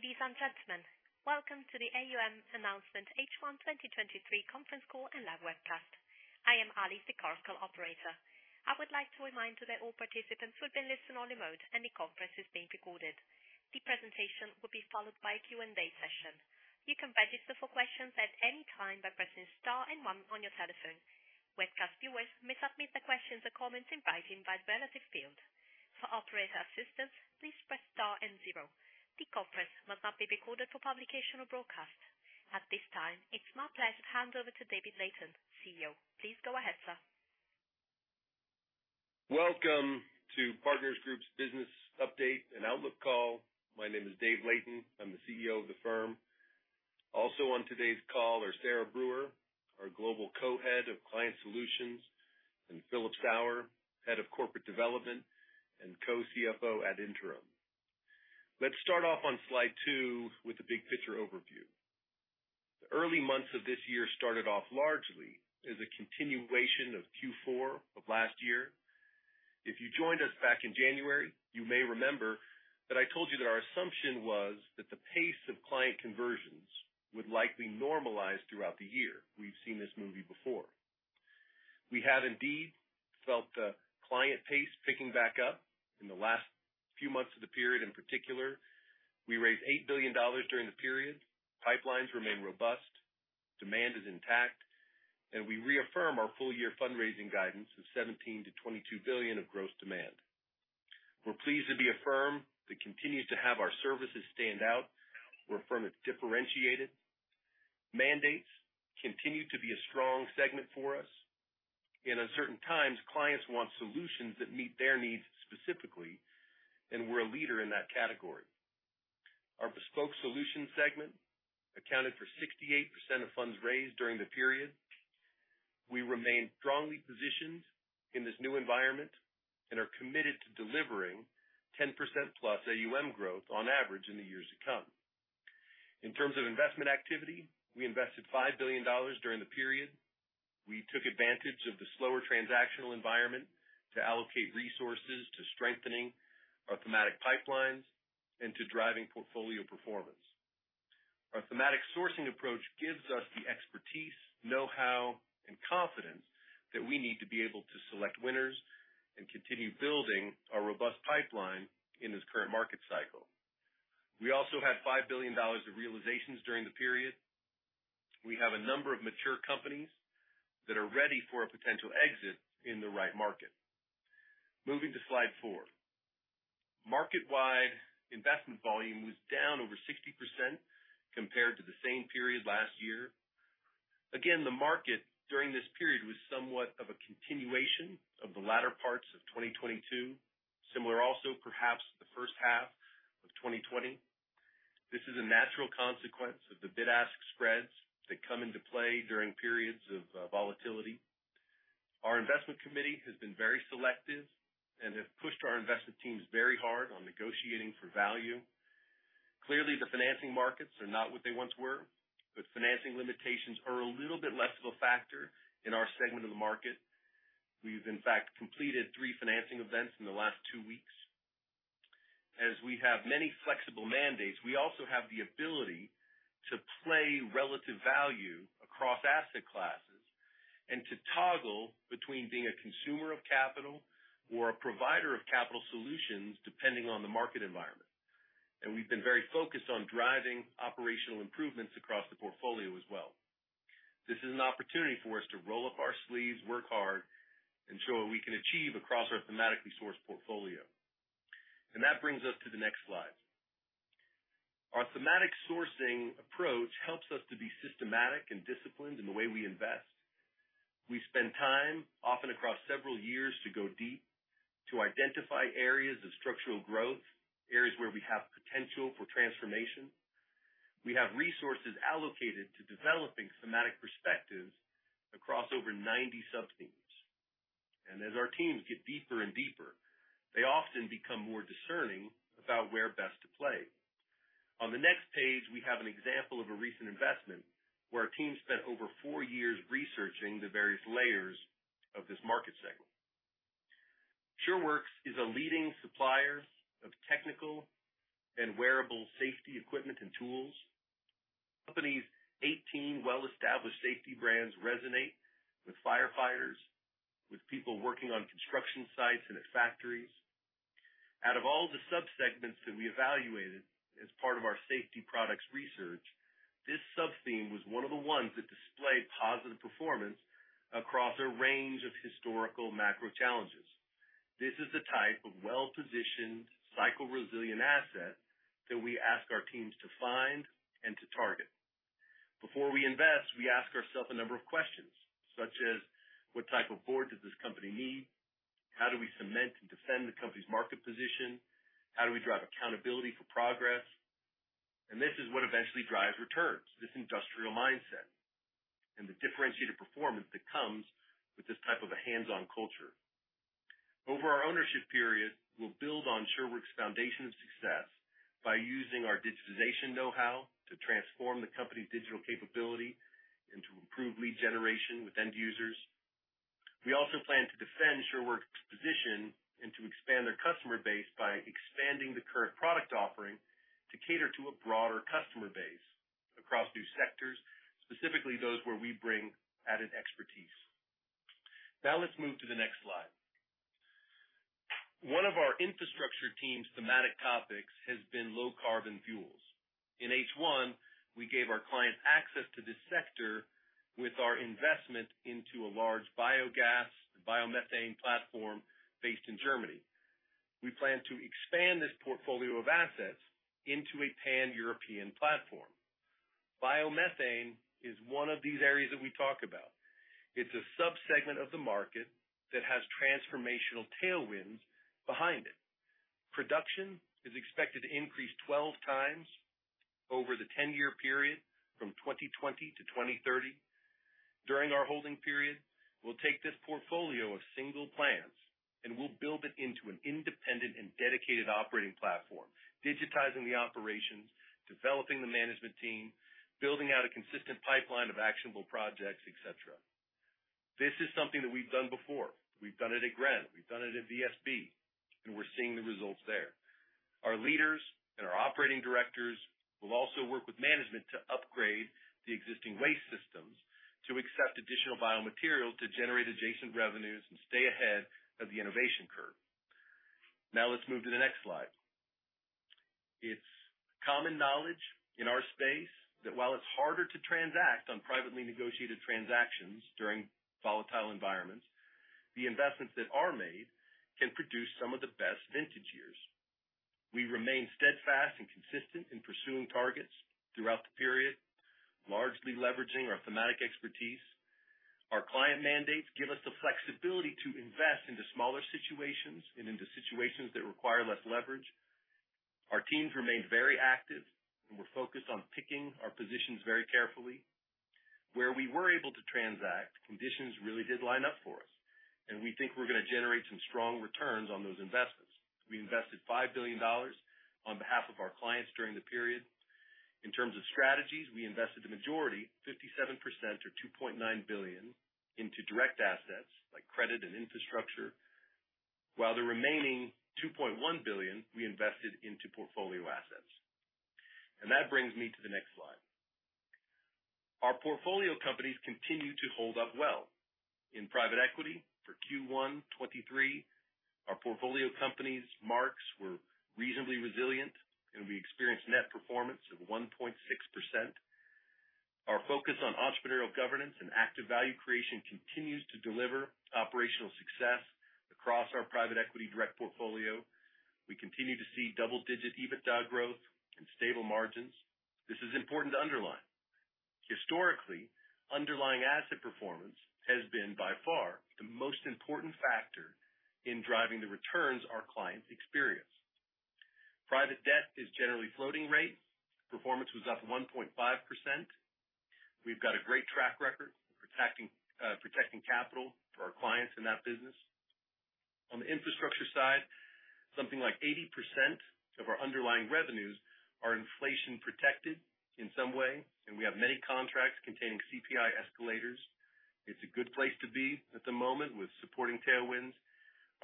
Ladies and gentlemen, welcome to the AUM Announcement H1 2023 conference call and live webcast. I am Alice, the clerical operator. I would like to remind you that all participants will be listening on remote and the conference is being recorded. The presentation will be followed by a Q&A session. You can register for questions at any time by pressing star and 1 on your telephone. Webcast viewers may submit their questions or comments in writing by the relative field. For operator assistance, please press star and 0. The conference must not be recorded for publication or broadcast. At this time, it's my pleasure to hand over to David Layton, CEO. Please go ahead, sir. Welcome to Partners Group's Business Update and Outlook call. My name is David Layton. I'm the CEO of the firm. Also on today's call are Sarah Brewer, our Global Co-Head of Client Solutions, and Philip Sauer, Head of Corporate Development and Co-CFO ad interim. Let's start off on slide two with the big picture overview. The early months of this year started off largely as a continuation of Q4 of last year. If you joined us back in January, you may remember that I told you that our assumption was that the pace of client conversions would likely normalize throughout the year. We've seen this movie before. We have indeed felt the client pace picking back up in the last few months of the period. In particular, we raised $8 billion during the period. Pipelines remain robust, demand is intact. We reaffirm our full-year fundraising guidance of $17 billion-$22 billion of gross demand. We're pleased to be a firm that continues to have our services stand out. We're a firm that's differentiated. Mandates continue to be a strong segment for us. In uncertain times, clients want solutions that meet their needs specifically, and we're a leader in that category. Our bespoke solutions segment accounted for 68% of funds raised during the period. We remain strongly positioned in this new environment and are committed to delivering 10%+ AUM growth on average in the years to come. In terms of investment activity, we invested $5 billion during the period. We took advantage of the slower transactional environment to allocate resources to strengthening our thematic pipelines and to driving portfolio performance. Our thematic sourcing approach gives us the expertise, know-how, and confidence that we need to be able to select winners and continue building our robust pipeline in this current market cycle. We also had $5 billion of realizations during the period. We have a number of mature companies that are ready for a potential exit in the right market. Moving to slide 4. Market-wide investment volume was down over 60% compared to the same period last year. The market during this period was somewhat of a continuation of the latter parts of 2022, similar also perhaps to the first half of 2020. This is a natural consequence of the bid-ask spreads that come into play during periods of volatility. Our investment committee has been very selective and have pushed our investment teams very hard on negotiating for value. Clearly, the financing markets are not what they once were, but financing limitations are a little bit less of a factor in our segment of the market. We've in fact completed 3 financing events in the last 2 weeks. As we have many flexible mandates, we also have the ability to play relative value across asset classes and to toggle between being a consumer of capital or a provider of capital solutions, depending on the market environment. We've been very focused on driving operational improvements across the portfolio as well. This is an opportunity for us to roll up our sleeves, work hard, and show what we can achieve across our thematically sourced portfolio. That brings us to the next slide. Our thematic sourcing approach helps us to be systematic and disciplined in the way we invest. We spend time, often across several years, to go deep, to identify areas of structural growth, areas where we have potential for transformation. We have resources allocated to developing thematic perspectives across over 90 subthemes. As our teams get deeper and deeper, they often become more discerning about where best to play. On the next page, we have an example of a recent investment, where our team spent over 4 years researching the various layers of this market segment. SureWerx is a leading supplier of technical and wearable safety equipment and tools. Company's 18 well-established safety brands resonate with firefighters, with people working on construction sites and at factories. Out of all the subsegments that we evaluated as part of our safety products research, this subtheme was one of the ones that displayed positive performance across a range of historical macro challenges. This is the type of well-positioned, cycle-resilient asset that we ask our teams to find and to target. Before we invest, we ask ourselves a number of questions, such as: What type of board does this company need? How do we cement and defend the company's market position? How do we drive accountability for progress? This is what eventually drives returns, this industrial mindset and the differentiated performance that comes with this type of a hands-on culture. Over our ownership period, we'll build on SureWerx' foundation of success by using our digitization know-how to transform the company's digital capability and to improve lead generation with end users. We also plan to defend SureWerx' position and to expand their customer base by expanding the current product offering to cater to a broader customer base across new sectors, specifically those where we bring added expertise. Now let's move to the next slide. One of our infrastructure team's thematic topics has been low carbon fuels. In H1, we gave our clients access to this sector with our investment into a large biogas, biomethane platform based in Germany. We plan to expand this portfolio of assets into a pan-European platform. Biomethane is one of these areas that we talk about. It's a sub-segment of the market that has transformational tailwinds behind it. Production is expected to increase 12 times over the 10-year period from 2020-2030. During our holding period, we'll take this portfolio of single plants, and we'll build it into an independent and dedicated operating platform, digitizing the operations, developing the management team, building out a consistent pipeline of actionable projects, et cetera. This is something that we've done before. We've done it at Gren, we've done it at VSB, and we're seeing the results there. Our leaders and our operating directors will also work with management to upgrade the existing waste systems to accept additional biomaterial, to generate adjacent revenues and stay ahead of the innovation curve. Now let's move to the next slide. It's common knowledge in our space that while it's harder to transact on privately negotiated transactions during volatile environments, the investments that are made can produce some of the best vintage years. We remain steadfast and consistent in pursuing targets throughout the period, largely leveraging our thematic expertise. Our client mandates give us the flexibility to invest into smaller situations and into situations that require less leverage. Our teams remain very active, and we're focused on picking our positions very carefully. Where we were able to transact, conditions really did line up for us, and we think we're going to generate some strong returns on those investments. We invested $5 billion on behalf of our clients during the period. In terms of strategies, we invested the majority, 57% or $2.9 billion, into direct assets like credit and infrastructure, while the remaining $2.1 billion we invested into portfolio assets. That brings me to the next slide. Our portfolio companies continue to hold up well. In private equity for Q1 '23, our portfolio companies' marks were reasonably resilient, and we experienced net performance of 1.6%. Our focus on entrepreneurial governance and active value creation continues to deliver operational success across our private equity direct portfolio. We continue to see double-digit EBITDA growth and stable margins. This is important to underline. Historically, underlying asset performance has been by far the most important factor in driving the returns our clients experience. Private debt is generally floating rate. Performance was up 1.5%. We've got a great track record, protecting capital for our clients in that business. On the infrastructure side, something like 80% of our underlying revenues are inflation-protected in some way, and we have many contracts containing CPI escalators. It's a good place to be at the moment with supporting tailwinds.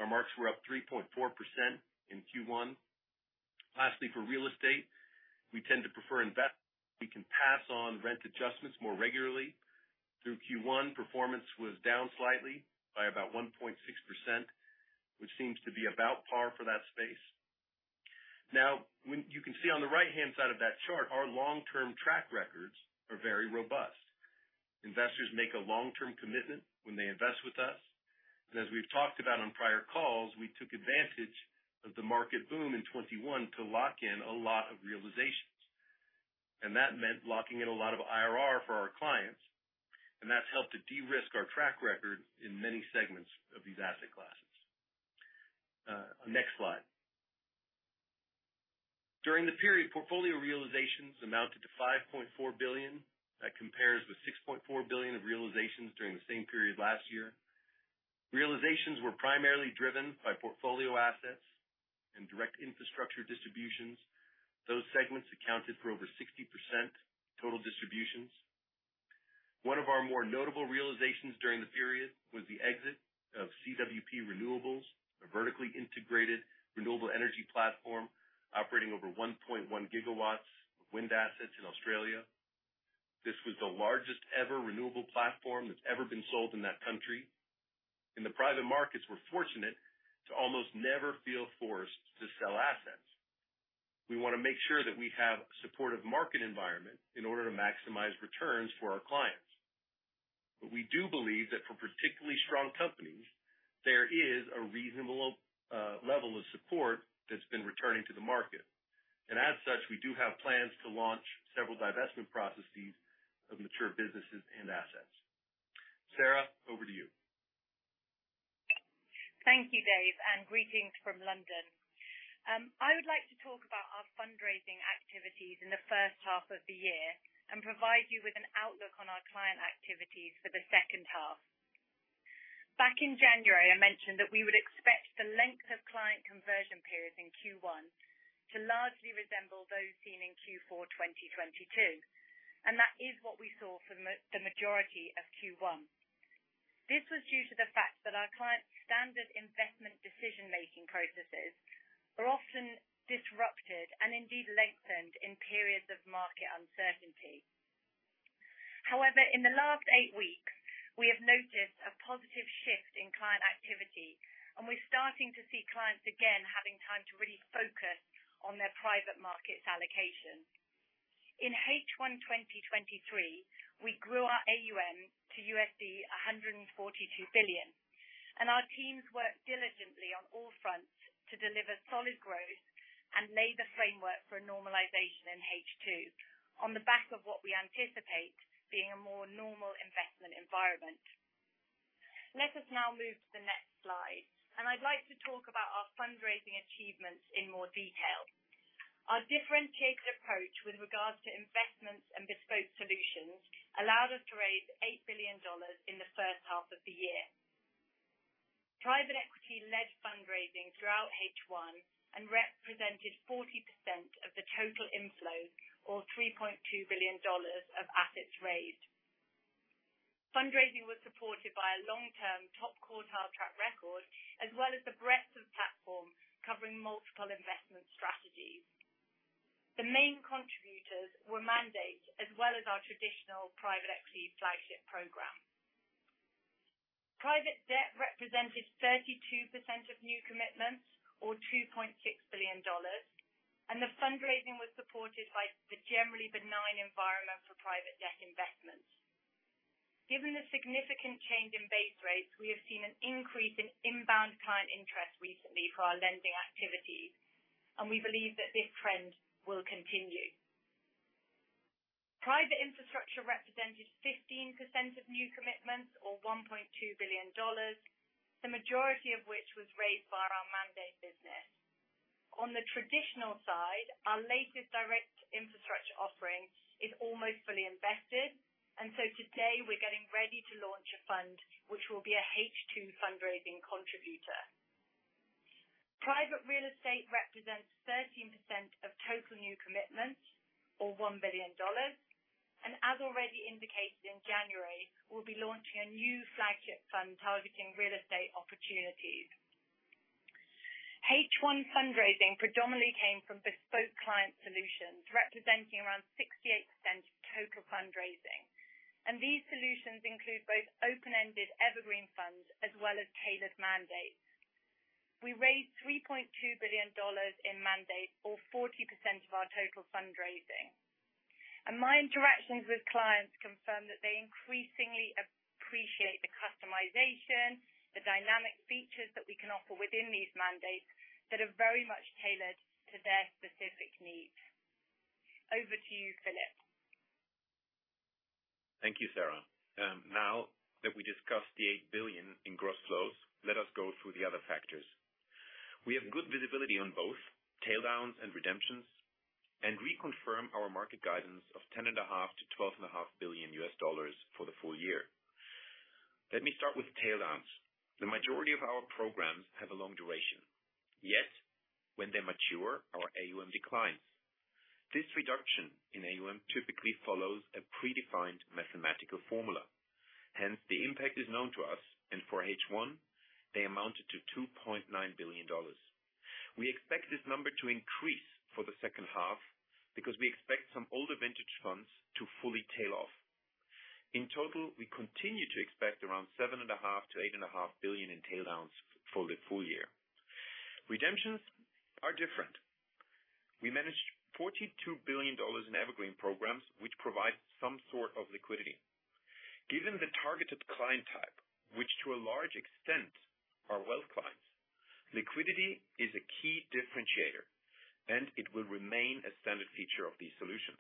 Our marks were up 3.4% in Q1. Lastly, for real estate, we tend to prefer to invest. We can pass on rent adjustments more regularly. Through Q1, performance was down slightly by about 1.6%, which seems to be about par for that space. Now, you can see on the right-hand side of that chart, our long-term track records are very robust. Investors make a long-term commitment when they invest with us. As we've talked about on prior calls, we took advantage of the market boom in 2021 to lock in a lot of realizations. That meant locking in a lot of IRR for our clients, and that's helped to de-risk our track record in many segments of these asset classes. Next slide. During the period, portfolio realizations amounted to $5.4 billion. That compares with $6.4 billion of realizations during the same period last year. Realizations were primarily driven by portfolio assets and direct infrastructure distributions. Those segments accounted for over 60% total distributions. One of our more notable realizations during the period was the exit of CWP Renewables, a vertically integrated renewable energy platform, operating over 1.1 gigawatts of wind assets in Australia. This was the largest-ever renewable platform that's ever been sold in that country. In the private markets, we're fortunate to almost never feel forced to sell assets. We want to make sure that we have a supportive market environment in order to maximize returns for our clients. We do believe that for particularly strong companies, there is a reasonable level of support that's been returning to the market. As such, we do have plans to launch several divestment processes of mature businesses and assets. Sarah, over to you. Thank you, Dave, and greetings from London. I would like to talk about our fundraising activities in the first half of the year and provide you with an outlook on our client activities for the second half. Back in January, I mentioned that we would expect inversion periods in Q1 to largely resemble those seen in Q4 2022, and that is what we saw for the majority of Q1. This was due to the fact that our client's standard investment decision-making processes are often disrupted and indeed lengthened in periods of market uncertainty. However, in the last eight weeks, we have noticed a positive shift in client activity, and we're starting to see clients again having time to really focus on their private markets' allocation. In H1 2023, we grew our AUM to $142 billion. Our teams worked diligently on all fronts to deliver solid growth and lay the framework for a normalization in H2, on the back of what we anticipate being a more normal investment environment. Let us now move to the next slide, and I'd like to talk about our fundraising achievements in more detail. Our differentiated approach with regards to investments and bespoke solutions allowed us to raise $8 billion in the first half of the year. Private equity led fundraising throughout H1 and represented 40% of the total inflows, or $3.2 billion of assets raised. Fundraising was supported by a long-term, top-quartile track record, as well as the breadth of platform covering multiple investment strategies. The main contributors were mandates as well as our traditional private equity flagship program. Private debt represented 32% of new commitments, or $2.6 billion, and the fundraising was supported by the generally benign environment for private debt investments. Given the significant change in base rates, we have seen an increase in inbound client interest recently for our lending activities, and we believe that this trend will continue. Private infrastructure represented 15% of new commitments, or $1.2 billion, the majority of which was raised via our mandate business. On the traditional side, our latest direct infrastructure offering is almost fully invested, and so today we're getting ready to launch a fund, which will be a H2 fundraising contributor. Private real estate represents 13% of total new commitments, or $1 billion, and as already indicated, in January, we'll be launching a new flagship fund targeting real estate opportunities. H1 fundraising predominantly came from bespoke client solutions, representing around 68% of total fundraising. These solutions include both open-ended evergreen funds as well as tailored mandates. We raised $3.2 billion in mandate, or 40% of our total fundraising. My interactions with clients confirm that they increasingly appreciate the customization, the dynamic features that we can offer within these mandates that are very much tailored to their specific needs. Over to you, Philip. Thank you, Sarah. Now that we discussed the $8 billion in gross flows, let us go through the other factors. We have good visibility on both tail downs and redemptions, reconfirm our market guidance of $10.5 billion-$12.5 billion for the full year. Let me start with tail downs. The majority of our programs have a long duration, yet when they mature, our AUM declines. This reduction in AUM typically follows a predefined mathematical formula. Hence, the impact is known to us, for H1, they amounted to $2.9 billion. We expect this number to increase for the second half because we expect some older vintage funds to fully tail off. In total, we continue to expect around $7.5 billion-$8.5 billion in tail downs for the full year. Redemptions are different. We managed $42 billion in evergreen programs, which provide some sort of liquidity. Given the targeted client type, which to a large extent are wealth clients, liquidity is a key differentiator, and it will remain a standard feature of these solutions.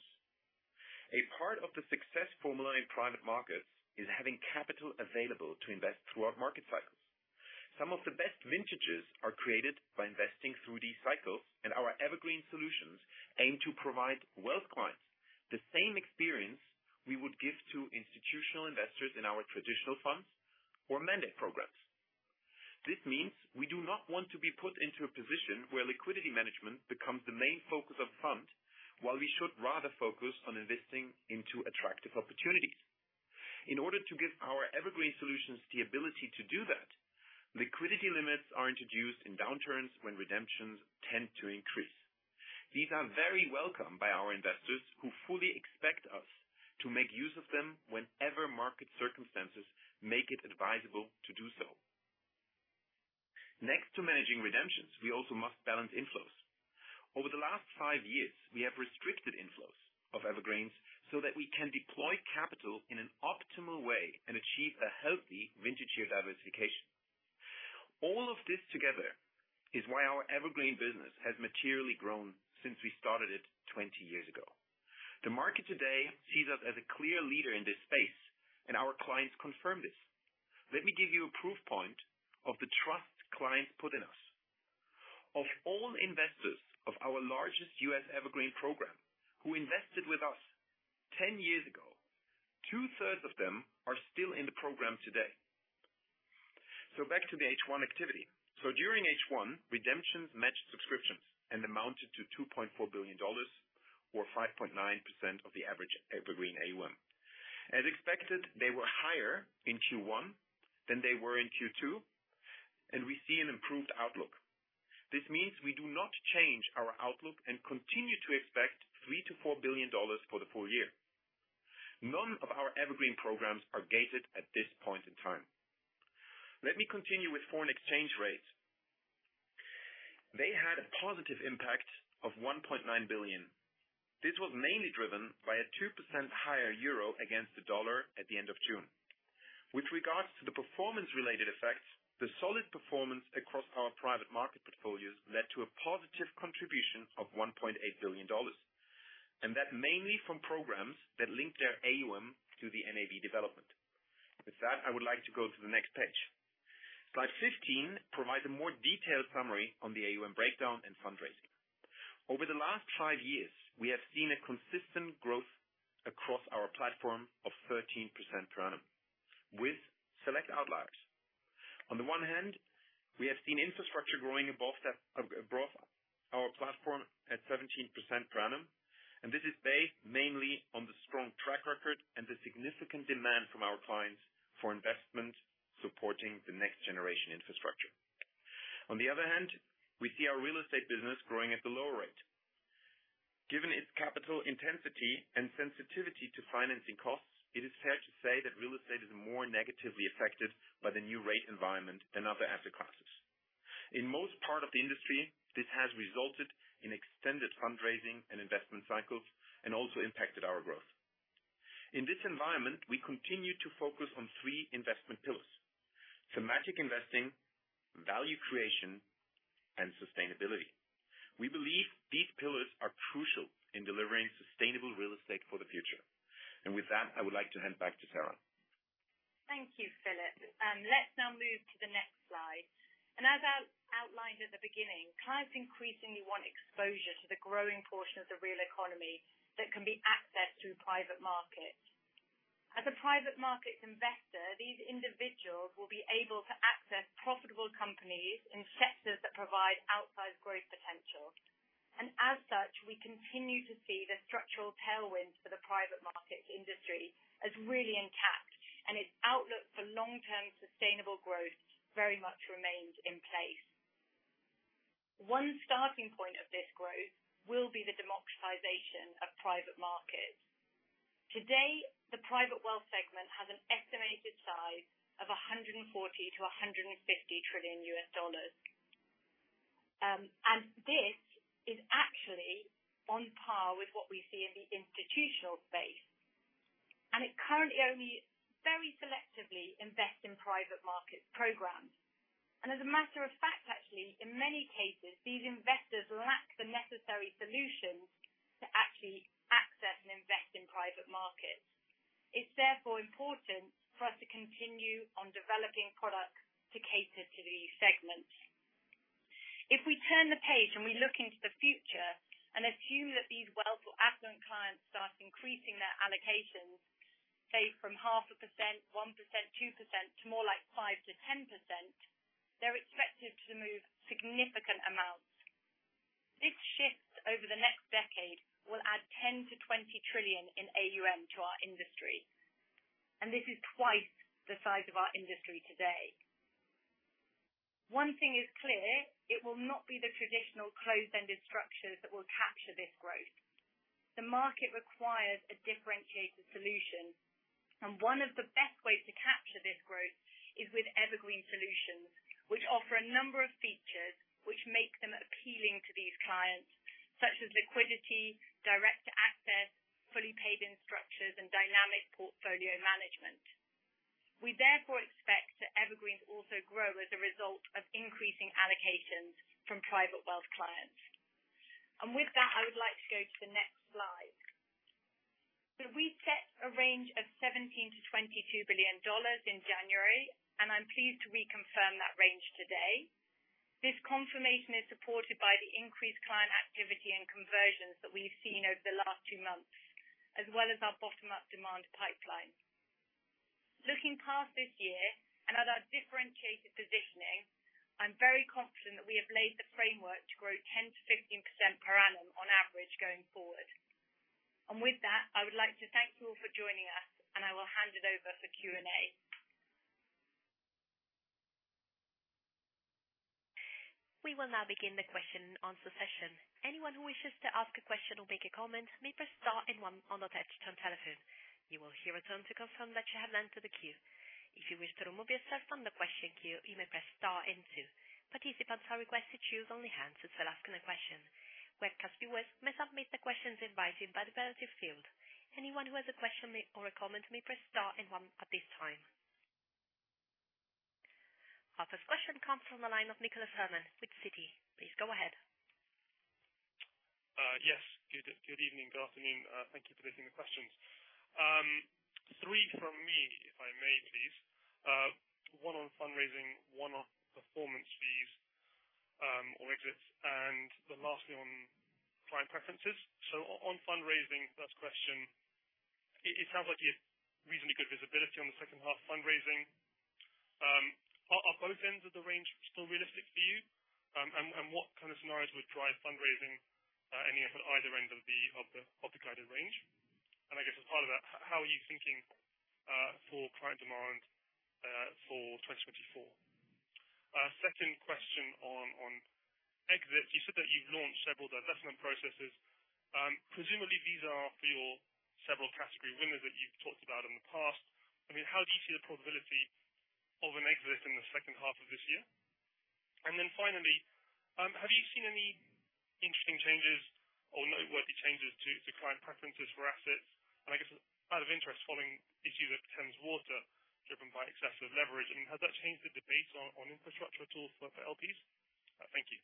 A part of the success formula in private markets is having capital available to invest throughout market cycles. Some of the best vintages are created by investing through these cycles, and our evergreen solutions aim to provide wealth clients the same experience we would give to institutional investors in our traditional funds or mandate programs. This means we do not want to be put into a position where liquidity management becomes the main focus of the fund, while we should rather focus on investing into attractive opportunities. In order to give our evergreen solutions the ability to do that, liquidity limits are introduced in downturns when redemptions tend to increase. These are very welcome by our investors, who fully expect us to make use of them whenever market circumstances make it advisable to do so. Next, to managing redemptions, we also must balance inflows. Over the last 5 years, we have restricted inflows of evergreens so that we can deploy capital in an optimal way and achieve a healthy vintage year diversification. All of this together is why our evergreen business has materially grown since we started it 20 years ago. The market today sees us as a clear leader in this space, and our clients confirm this. Let me give you a proof point of the trust clients put in us. Of all investors of our largest US Evergreen program, who invested with us 10 years ago. Two-thirds of them are still in the program today. Back to the H1 activity. During H1, redemptions matched subscriptions and amounted to $2.4 billion or 5.9% of the average Evergreen AUM. As expected, they were higher in Q1 than they were in Q2, and we see an improved outlook. This means we do not change our outlook and continue to expect $3 billion-$4 billion for the full year. None of our Evergreen programs are gated at this point in time. Let me continue with foreign exchange rates. They had a positive impact of $1.9 billion. This was mainly driven by a 2% higher euro against the dollar at the end of June. With regards to the performance-related effects, the solid performance across our private market portfolios led to a positive contribution of $1.8 billion. That mainly from programs that link their AUM to the NAV development. With that, I would like to go to the next page. Slide 15 provides a more detailed summary on the AUM breakdown and fundraising. Over the last five years, we have seen a consistent growth across our platform of 13% per annum, with select outliers. On the one hand, we have seen infrastructure growing above that, above our platform at 17% per annum. This is based mainly on the strong track record and the significant demand from our clients for investment supporting the next generation infrastructure. On the other hand, we see our real estate business growing at a lower rate. Given its capital intensity and sensitivity to financing costs, it is fair to say that real estate is more negatively affected by the new rate environment and other after classes. In most part of the industry, this has resulted in extended fundraising and investment cycles and also impacted our growth. In this environment, we continue to focus on three investment pillars: thematic investing, value creation, and sustainability. We believe these pillars are crucial in delivering sustainable real estate for the future. With that, I would like to hand back to Sarah. Thank you, Philipp. Let's now move to the next slide. As I outlined at the beginning, clients increasingly want exposure to the growing portion of the real economy that can be accessed through private markets. As a private markets investor, these individuals will be able to access profitable companies in sectors that provide outsized growth potential. As such, we continue to see the structural tailwinds for the private markets industry as really intact, and its outlook for long-term sustainable growth very much remains in place. One starting point of this growth will be the democratization of private markets. Today, the private wealth segment has an estimated size of $140 trillion-$150 trillion US dollars. This is actually on par with what we see in the institutional space, and it currently only very selectively invest in private markets programs. As a matter of fact, actually, in many cases, these investors lack the necessary solutions to actually access and invest in private markets. It's therefore important for us to continue on developing products to cater to these segments. If we turn the page and we look into the future, and assume that these wealth or affluent clients start increasing their allocations, say, from 0.5%, 1%, 2% to more like 5%-10%, they're expected to move significant amounts. This shift over the next decade will add $10 trillion-$20 trillion in AUM to our industry, and this is twice the size of our industry today. One thing is clear, it will not be the traditional closed-ended structures that will capture this growth. The market requires a differentiated solution. One of the best ways to capture this growth is with Evergreen solutions, which offer a number of features which make them appealing to these clients, such as liquidity, direct access, fully paid-in structures, and dynamic portfolio management. We therefore expect that Evergreens also grow as a result of increasing allocations from private wealth clients. With that, I would like to go to the next slide. We set a range of $17 billion-$22 billion in January, and I'm pleased to reconfirm that range today. This confirmation is supported by the increased client activity and conversions that we've seen over the last two months, as well as our bottom-up demand pipeline. Looking past this year and at our differentiated positioning, I'm very confident that we have laid the framework to grow 10%-15% per annum on average, going forward. With that, I would like to thank you all for joining us, and I will hand it over for Q&A. We will now begin the question and answer session. Anyone who wishes to ask a question or make a comment may press star and one on the touch-tone telephone. You will hear a tone to confirm that you have entered the queue. If you wish to remove yourself from the question queue, you may press star and two. Participants are requested to choose only hands to ask a question. Webcast viewers may submit their questions in writing by the relative field. Anyone who has a question or a comment may press star and one at this time. Our first question comes from the line of Nicholas Herman with Citi. Please go ahead. Yes. Good evening. Good afternoon. Thank you for taking the questions. Three from me, if I may, please. One on fundraising, one on performance fees-... Lastly, on client preferences. On fundraising, first question, it sounds like you have reasonably good visibility on the second half fundraising. Are both ends of the range still realistic for you? What kind of scenarios would drive fundraising, any at either end of the guided range? I guess as part of that, how are you thinking for client demand for 2024? Second question on exits. You said that you've launched several divestment processes, presumably these are for your several category winners that you've talked about in the past. I mean, how do you see the probability of an exit in the second half of this year? Finally, have you seen any interesting changes or noteworthy changes to client preferences for assets? I guess, out of interest, following issues at Thames Water, driven by excessive leverage, has that changed the debate on infrastructure at all for LPs? Thank you.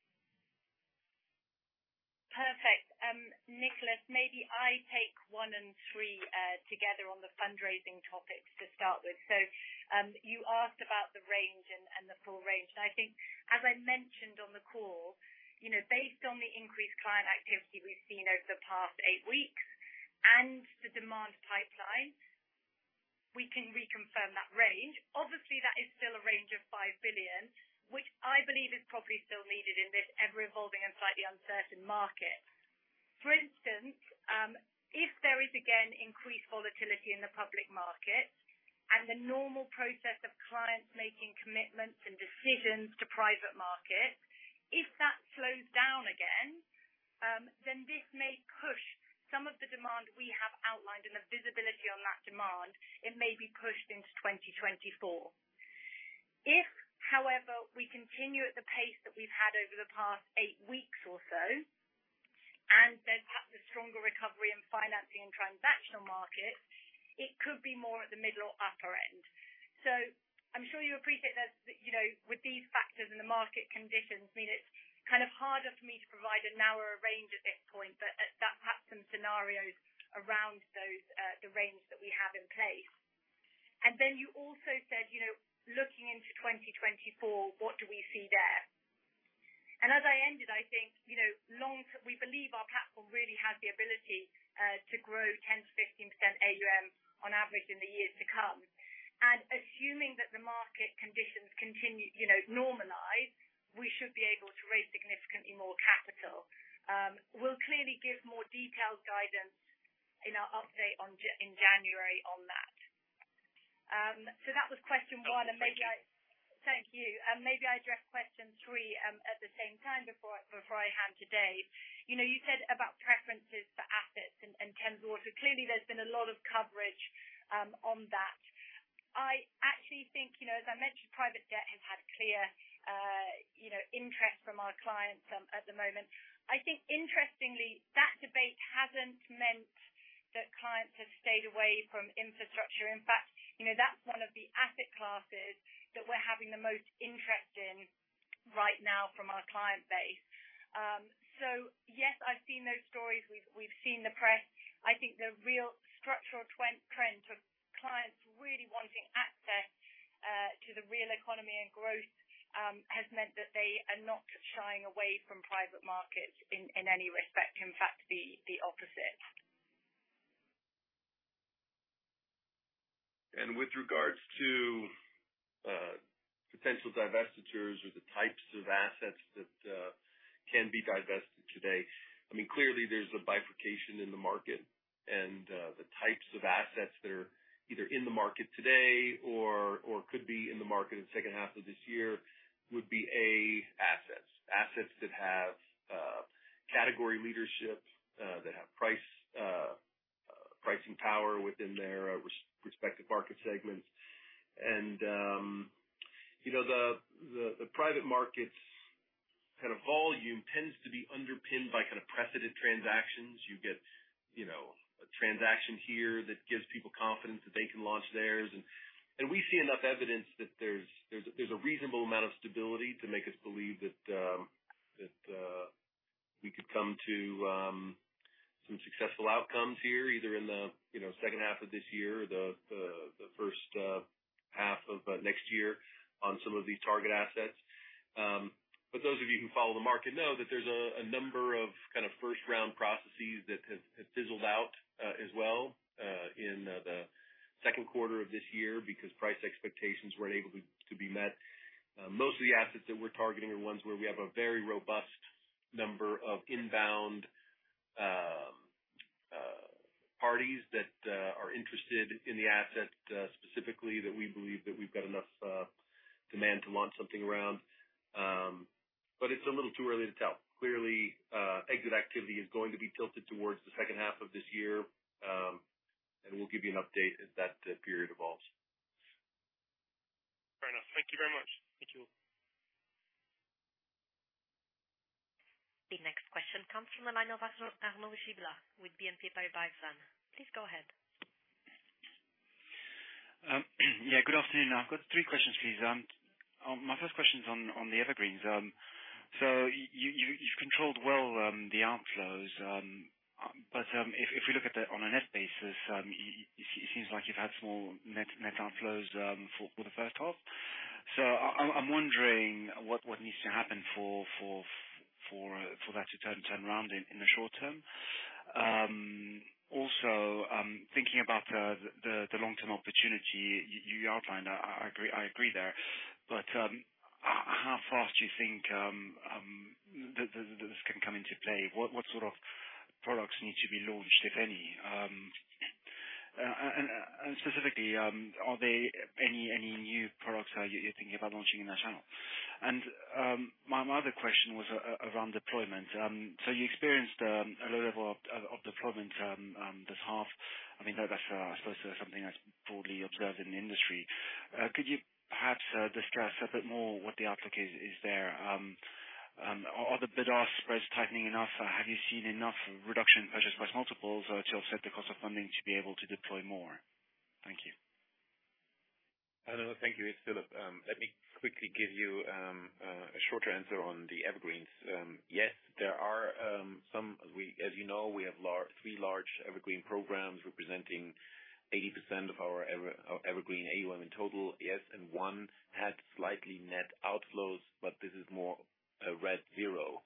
Perfect. Nicholas, maybe I take one and three together on the fundraising topics to start with. You asked about the range and the full range, and I think as I mentioned on the call, you know, based on the increased client activity we've seen over the past 8 weeks and the demand pipeline, we can reconfirm that range. Obviously, that is still a range of $5 billion, which I believe is probably still needed in this ever evolving and slightly uncertain market. For instance, if there is again, increased volatility in the public market and the normal process of clients making commitments and decisions to private markets, if that slows down again, then this may push some of the demand we have outlined and the visibility on that demand, it may be pushed into 2024. If, however, we continue at the pace that we've had over the past eight weeks or so, and there's perhaps a stronger recovery in financing and transactional markets, it could be more at the middle or upper end. I'm sure you appreciate that, you know, with these factors and the market conditions, I mean, it's kind of harder for me to provide a narrower range at this point, but that perhaps some scenarios around those, the range that we have in place. You also said, you know, looking into 2024, what do we see there? As I ended, I think, you know, long term, we believe our platform really has the ability to grow 10%-15% AUM on average in the years to come. Assuming that the market conditions continue, you know, normalize, we should be able to raise significantly more capital. We'll clearly give more detailed guidance in our update in January on that. That was question one, and maybe. Thank you. Thank you. Maybe I address question 3 at the same time before I hand to Dave. You know, you said about preferences for assets and Thames Water. Clearly, there's been a lot of coverage on that. I actually think, you know, as I mentioned, private debt has had clear, you know, interest from our clients at the moment. I think interestingly, that debate hasn't meant that clients have stayed away from infrastructure. In fact, you know, that's one of the asset classes that we're having the most interest in right now from our client base. Yes, I've seen those stories. We've seen the press. I think the real structural trend of clients really wanting access to the real economy and growth has meant that they are not shying away from private markets in any respect, in fact, the opposite. With regards to potential divestitures or the types of assets that can be divested today, I mean, clearly there's a bifurcation in the market, and the types of assets that are either in the market today or could be in the market in the second half of this year would be A, assets. Assets that have category leadership, that have price pricing power within their respective market segments. You know, the private markets kind of volume tends to be underpinned by kind of precedent transactions. You get, you know, a transaction here that gives people confidence that they can launch theirs. We see enough evidence that there's a reasonable amount of stability to make us believe that we could come to some successful outcomes here, either in the, you know, second half of this year or the first half of next year on some of these target assets. But those of you who follow the market know that there's a number of kind of first-round processes that have fizzled out as well in the second quarter of this year, because price expectations weren't able to be met. Most of the assets that we're targeting are ones where we have a very robust number of inbound parties that are interested in the asset specifically, that we believe that we've got enough demand to launch something around. It's a little too early to tell. Clearly, exit activity is going to be tilted towards the second half of this year. We'll give you an update as that period evolves. Fair enough. Thank you very much. Thank you. The next question comes from the line of Arnaud Giblat with BNP Paribas. Please go ahead. Yeah, good afternoon. I've got 3 questions, please. My first question is on the Evergreens. You've controlled well the outflows. If we look at the, on a net basis, it seems like you've had small net outflows for the first half. I'm wondering what needs to happen for that to turn around in the short term? Thinking about the long-term opportunity you outlined, I agree there. How fast do you think this can come into play? What sort of products needs to be launched, if any? Specifically, are there any new products that you're thinking about launching in that channel? My other question was around deployment. You experienced a low level of deployment this half. I mean, that's, I suppose something that's broadly observed in the industry. Could you perhaps discuss a bit more what the outlook is there? Are the bid-ask spreads tightening enough? Have you seen enough reduction in purchase price multiples or to offset the cost of funding to be able to deploy more? Thank you. Hello. Thank you, it's Philipp. Let me quickly give you a shorter answer on the Evergreens. Yes, there are. We, as you know, we have 3 large Evergreen programs representing 80% of our Evergreen AUM in total. Yes, 1 had slightly net outflows, but this is more a red zero.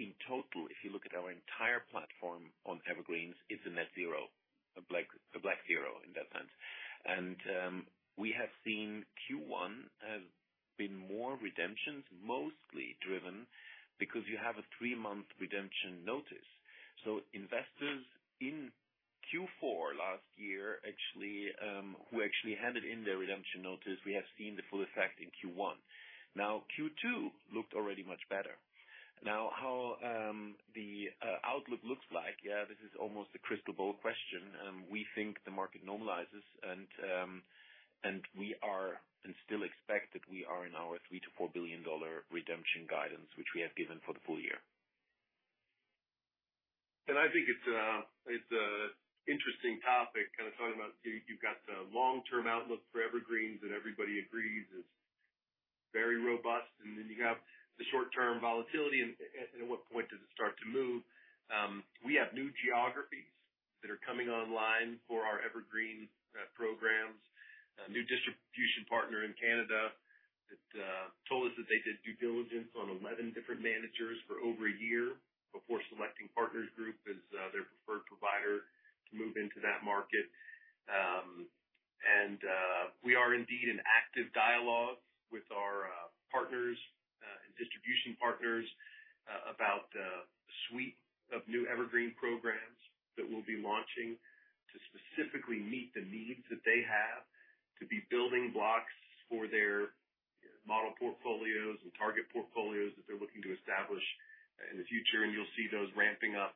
In total, if you look at our entire platform on Evergreens, it's a net zero, a black zero in that sense. We have seen Q1 has been more redemptions, mostly driven because you have a 3-month redemption notice. Investors in Q4 last year, actually, who actually handed in their redemption notice, we have seen the full effect in Q1. Q2 looked already much better. How the outlook looks like, this is almost a crystal ball question. We think the market normalizes and still expect that we are in our $3 billion-$4 billion redemption guidance, which we have given for the full year. I think it's a interesting topic, kind of talking about you've got the long-term outlook for evergreens, and everybody agrees it's very robust, and then you have the short-term volatility, and at what point does it start to move? We have new geographies that are coming online for our evergreen programs. A new distribution partner in Canada that told us that they did due diligence on 11 different managers for over a year before selecting Partners Group as their preferred provider to move into that market. We are indeed in active dialogue with our partners and distribution partners about the suite of new Evergreen programs that we'll be launching to specifically meet the needs that they have to be building blocks for their model portfolios and target portfolios that they're looking to establish in the future. You'll see those ramping up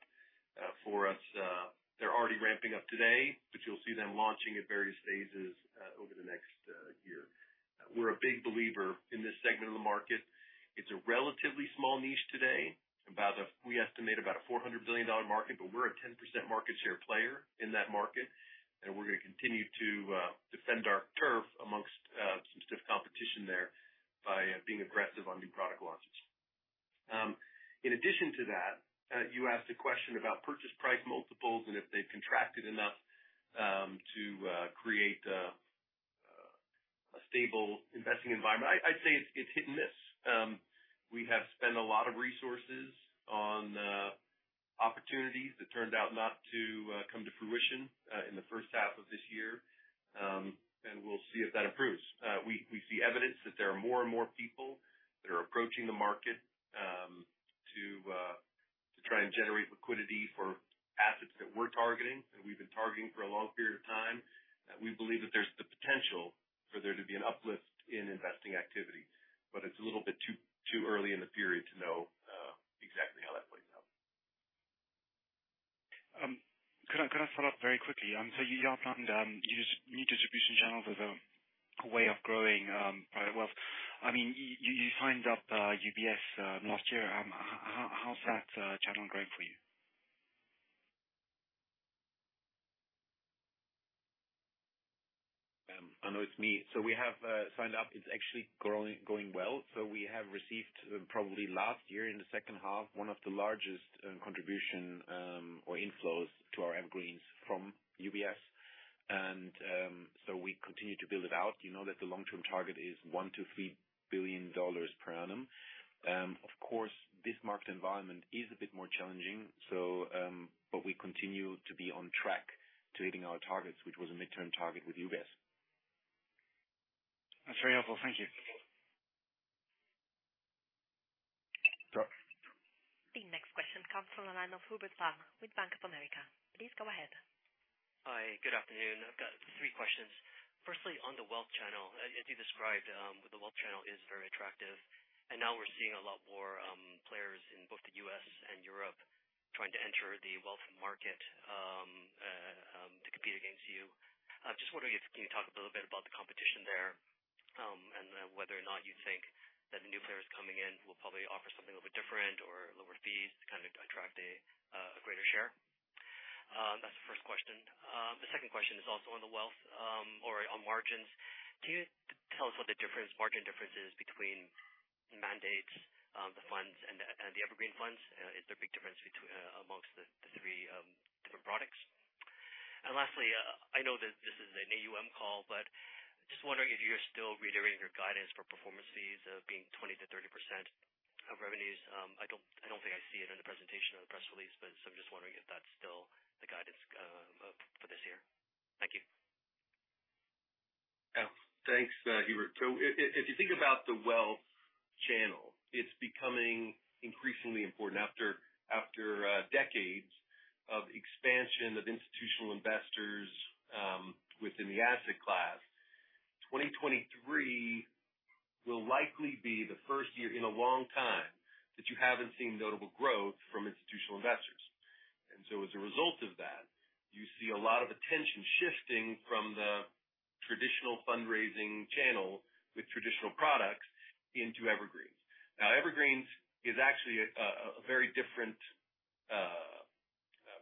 for us. They're already ramping up today, but you'll see them launching at various phases over the next year. We're a big believer in this segment of the market. It's a relatively small niche today, we estimate about a $400 billion market, but we're a 10% market share player in that market, and we're going to continue to defend our turf amongst some stiff competition there by being aggressive on new product launches. In addition to that, you asked a question about purchase price multiples and if they've contracted enough to create a stable investing environment. I'd say it's hit and miss. We have spent a lot of resources on opportunities that turned out not to come to fruition in the first half of this year, and we'll see if that improves. We see evidence that there are more and more people that are approaching the market to try and generate liquidity for assets that we're targeting, that we've been targeting for a long period of time. We believe that there's the potential for there to be an uplift in investing activity, but it's a little bit too early in the period to know exactly how that plays out. Can I follow up very quickly? You are planning to use new distribution channels as a way of growing private wealth. I mean, you signed up UBS last year. How's that channel going for you? I know it's me. We have signed up. It's actually going well. We have received, probably last year in the second half, one of the largest contribution or inflows to our evergreens from UBS. We continue to build it out. You know that the long-term target is $1 billion-$3 billion per annum. Of course, this market environment is a bit more challenging, but we continue to be on track to hitting our targets, which was a midterm target with UBS. That's very helpful. Thank you. Sure. The next question comes from the line of Hubert Lam with Bank of America. Please go ahead. Hi, good afternoon. I've got 3 questions. Firstly, on the wealth channel, as you described, the wealth channel is very attractive, and now we're seeing a lot more players in both the US and Europe trying to enter the wealth market to compete against you. I just wondering if can you talk a little bit about the competition there, and whether or not you think that the new players coming in will probably offer something a little bit different or lower fees to kind of attract a greater share? The second question is also on the wealth, or on margins. Can you tell us what the difference, margin differences between mandates, the funds and the evergreen funds? Is there a big difference between amongst the three different products? Lastly, I know that this is an AUM call, just wondering if you're still reiterating your guidance for performance fees of being 20%-30% of revenues. I don't think I see it in the presentation or the press release, I'm just wondering if that's still the guidance for this year. Thank you. Yeah. Thanks, Hubert. If you think about the wealth channel, it's becoming increasingly important after decades of expansion of institutional investors within the asset class. 2023 will likely be the first year in a long time that you haven't seen notable growth from institutional investors. As a result of that, you see a lot of attention shifting from the traditional fundraising channel with traditional products into evergreens. Now, evergreens is actually a very different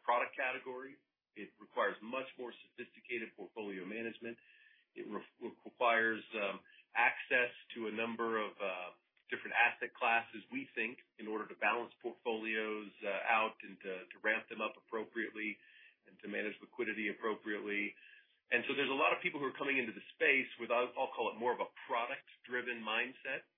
product category. It requires much more sophisticated portfolio management. It requires access to a number of different asset classes, we think, in order to balance portfolios out and to ramp them up appropriately and to manage liquidity appropriately. There's a lot of people who are coming into the space with, I'll call it more of a product-driven mindset,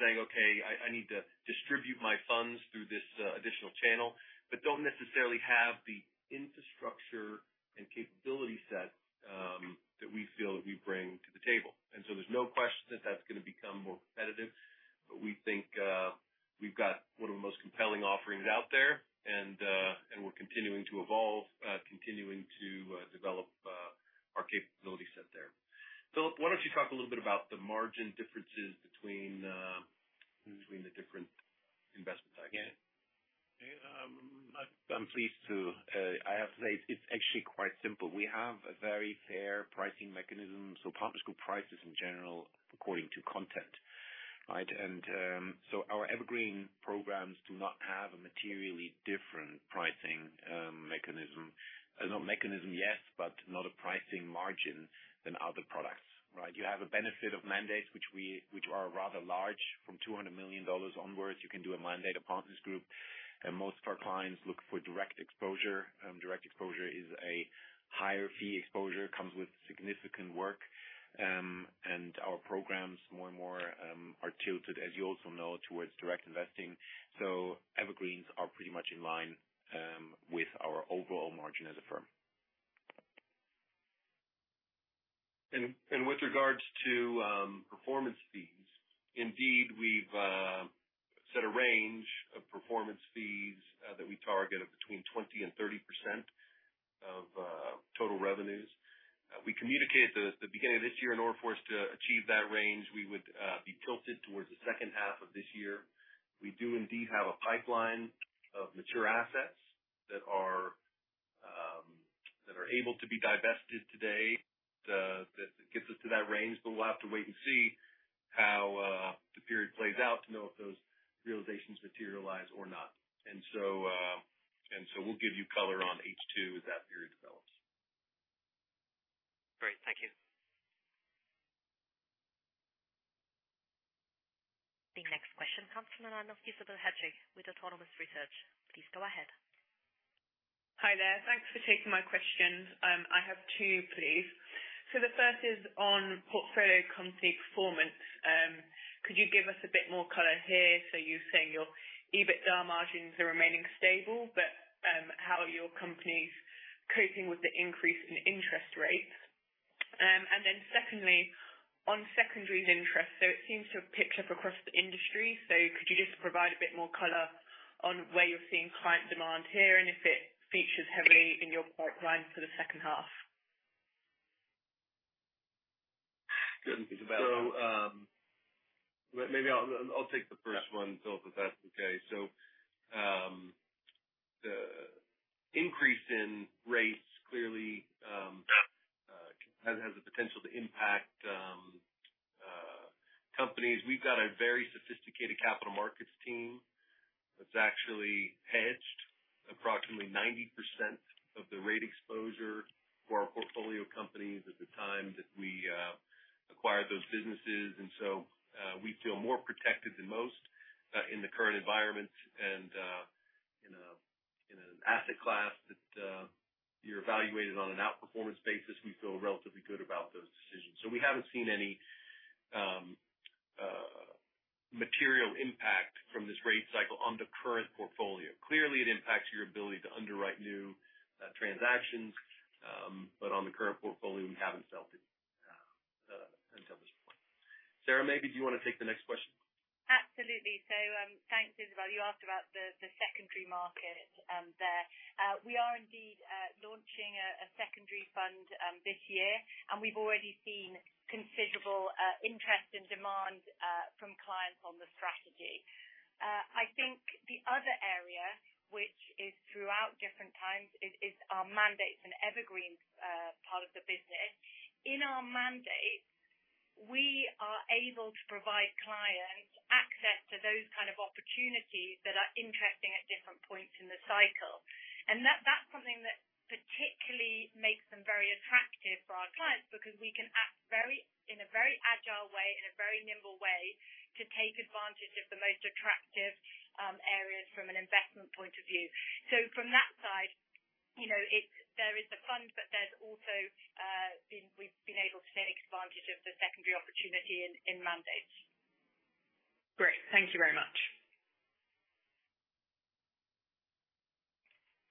saying: "Okay, I need to distribute my funds through this additional channel," but don't necessarily have the infrastructure and capability set that we feel that we bring to the table. There's no question that that's going to become more competitive. We think we've got one of the most compelling offerings out there, and we're continuing to evolve, continuing to develop our capability set there. Philip, why don't you talk a little bit about the margin differences between the different investment side? Yeah. I'm pleased to say it's actually quite simple. We have a very fair pricing mechanism. Partners Group prices in general, according to content, right? Our evergreen programs do not have a materially different pricing mechanism. A mechanism, yes, not a pricing margin than other products, right? You have a benefit of mandates, which are rather large, from $200 million onwards. Direct exposure is a higher fee exposure, comes with significant work. Our programs, more and more, are tilted, as you also know, towards direct investing. Evergreens are pretty much in line with our overall margin as a firm. With regards to performance fees, indeed, we've set a range of performance fees that we target at between 20% and 30% of total revenues. We communicated at the beginning of this year, in order for us to achieve that range, we would be tilted towards the second half of this year. We do indeed have a pipeline of mature assets that are able to be divested today that gets us to that range, but we'll have to wait and see how the period plays out to know if those realizations materialize or not. We'll give you color on H2 as that period develops. Great. Thank you. The next question comes from the line of Isobel Hettrick with Autonomous Research. Please go ahead. Hi there. Thanks for taking my questions. I have two, please. The first is on portfolio company performance. Could you give us a bit more color here? You're saying your EBITDA margins are remaining stable, but how are your companies coping with the increase in interest rates? Secondly, on secondary interest, it seems to have picked up across the industry. Could you just provide a bit more color on where you're seeing client demand here, and if it features heavily in your pipeline for the second half? Maybe I'll take the first one, Philip, if that's okay. The increase in rates clearly has the potential to impact companies. We've got a very sophisticated capital markets team that's actually hedged approximately 90% of the rate exposure for our portfolio companies at the time that we acquired those businesses, we feel more protected than most in the current environment. In an asset class that you're evaluated on an outperformance basis, we feel relatively good about those decisions. We haven't seen any material impact from this rate cycle on the current portfolio. Clearly, it impacts your ability to underwrite new transactions, but on the current portfolio, we haven't felt it until this point. Sarah, maybe do you want to take the next question? Absolutely. thanks, Isobel. You asked about the secondary market there. We are indeed launching a secondary fund this year, and we've already seen considerable interest and demand from clients on the strategy. I think the other area, which is throughout different times, is our mandates and evergreens part of the business. In our mandates we are able to provide clients access to those kinds of opportunities that are interesting at different points in the cycle. That's something that particularly makes them very attractive for our clients, because we can act in a very agile way, in a very nimble way, to take advantage of the most attractive areas from an investment point of view. From that side, you know, there is the fund, but there's also been, we've been able to take advantage of the secondary opportunity in mandates. Great. Thank you very much.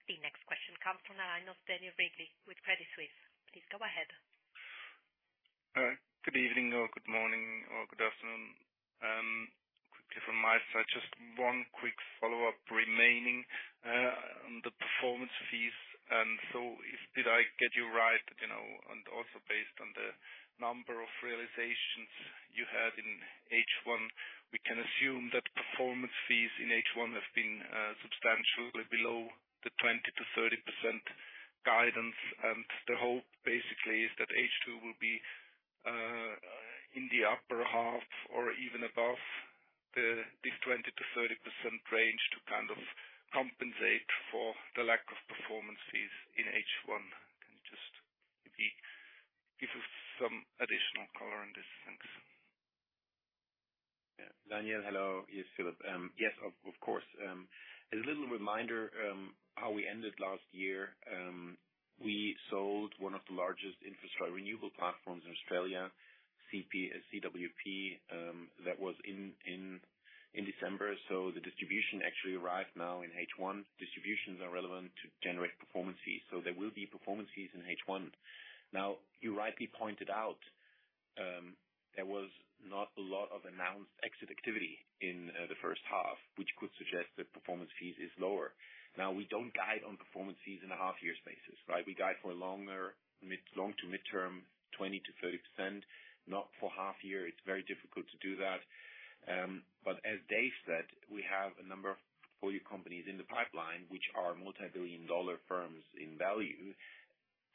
The next question comes from the line of Daniel Wrigley with Credit Suisse. Please go ahead. Good evening or good morning or good afternoon. Quickly from my side, just one quick follow-up remaining on the performance fees. If did I get you right, you know, and also based on the number of realizations you had in H1, we can assume that performance fees in H1 have been substantially below the 20%-30% guidance. The hope, basically, is that H2 will be in the upper half or even above the, this 20%-30% range to kind of compensate for the lack of performance fees in H1. Can you just give me, give us some additional color on this? Thanks. Yeah. Daniel, hello. It's Philip. Yes, of course. A little reminder how we ended last year. We sold one of the largest infrastructure renewable platforms in Australia, CWP, that was in December. The distribution actually arrived now in H1. Distributions are relevant to generate performance fees, so there will be performance fees in H1. You rightly pointed out, there was not a lot of announced exit activity in the first half, which could suggest that performance fees is lower. We don't guide on performance fees in a half year basis, right? We guide for a longer, mid, long to midterm, 20%-30%, not for half year. It's very difficult to do that. As Dave said, we have a number of portfolio companies in the pipeline, which are multi-billion-dollar firms in value.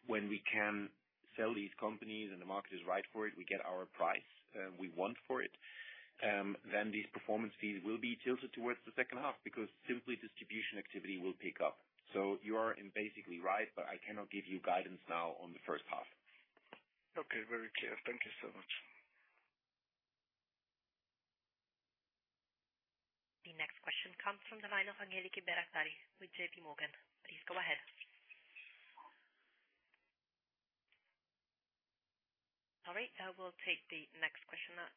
When we can sell these companies and the market is right for it, we get our price, we want for it, then these performance fees will be tilted towards the second half because simply distribution activity will pick up. You are in basically right, but I cannot give you guidance now on the first half. Okay, very clear. Thank you so much. The next question comes from the line of Angeliki Bairaktari with J.P. Morgan. Please go ahead. Sorry, we'll take the next question now,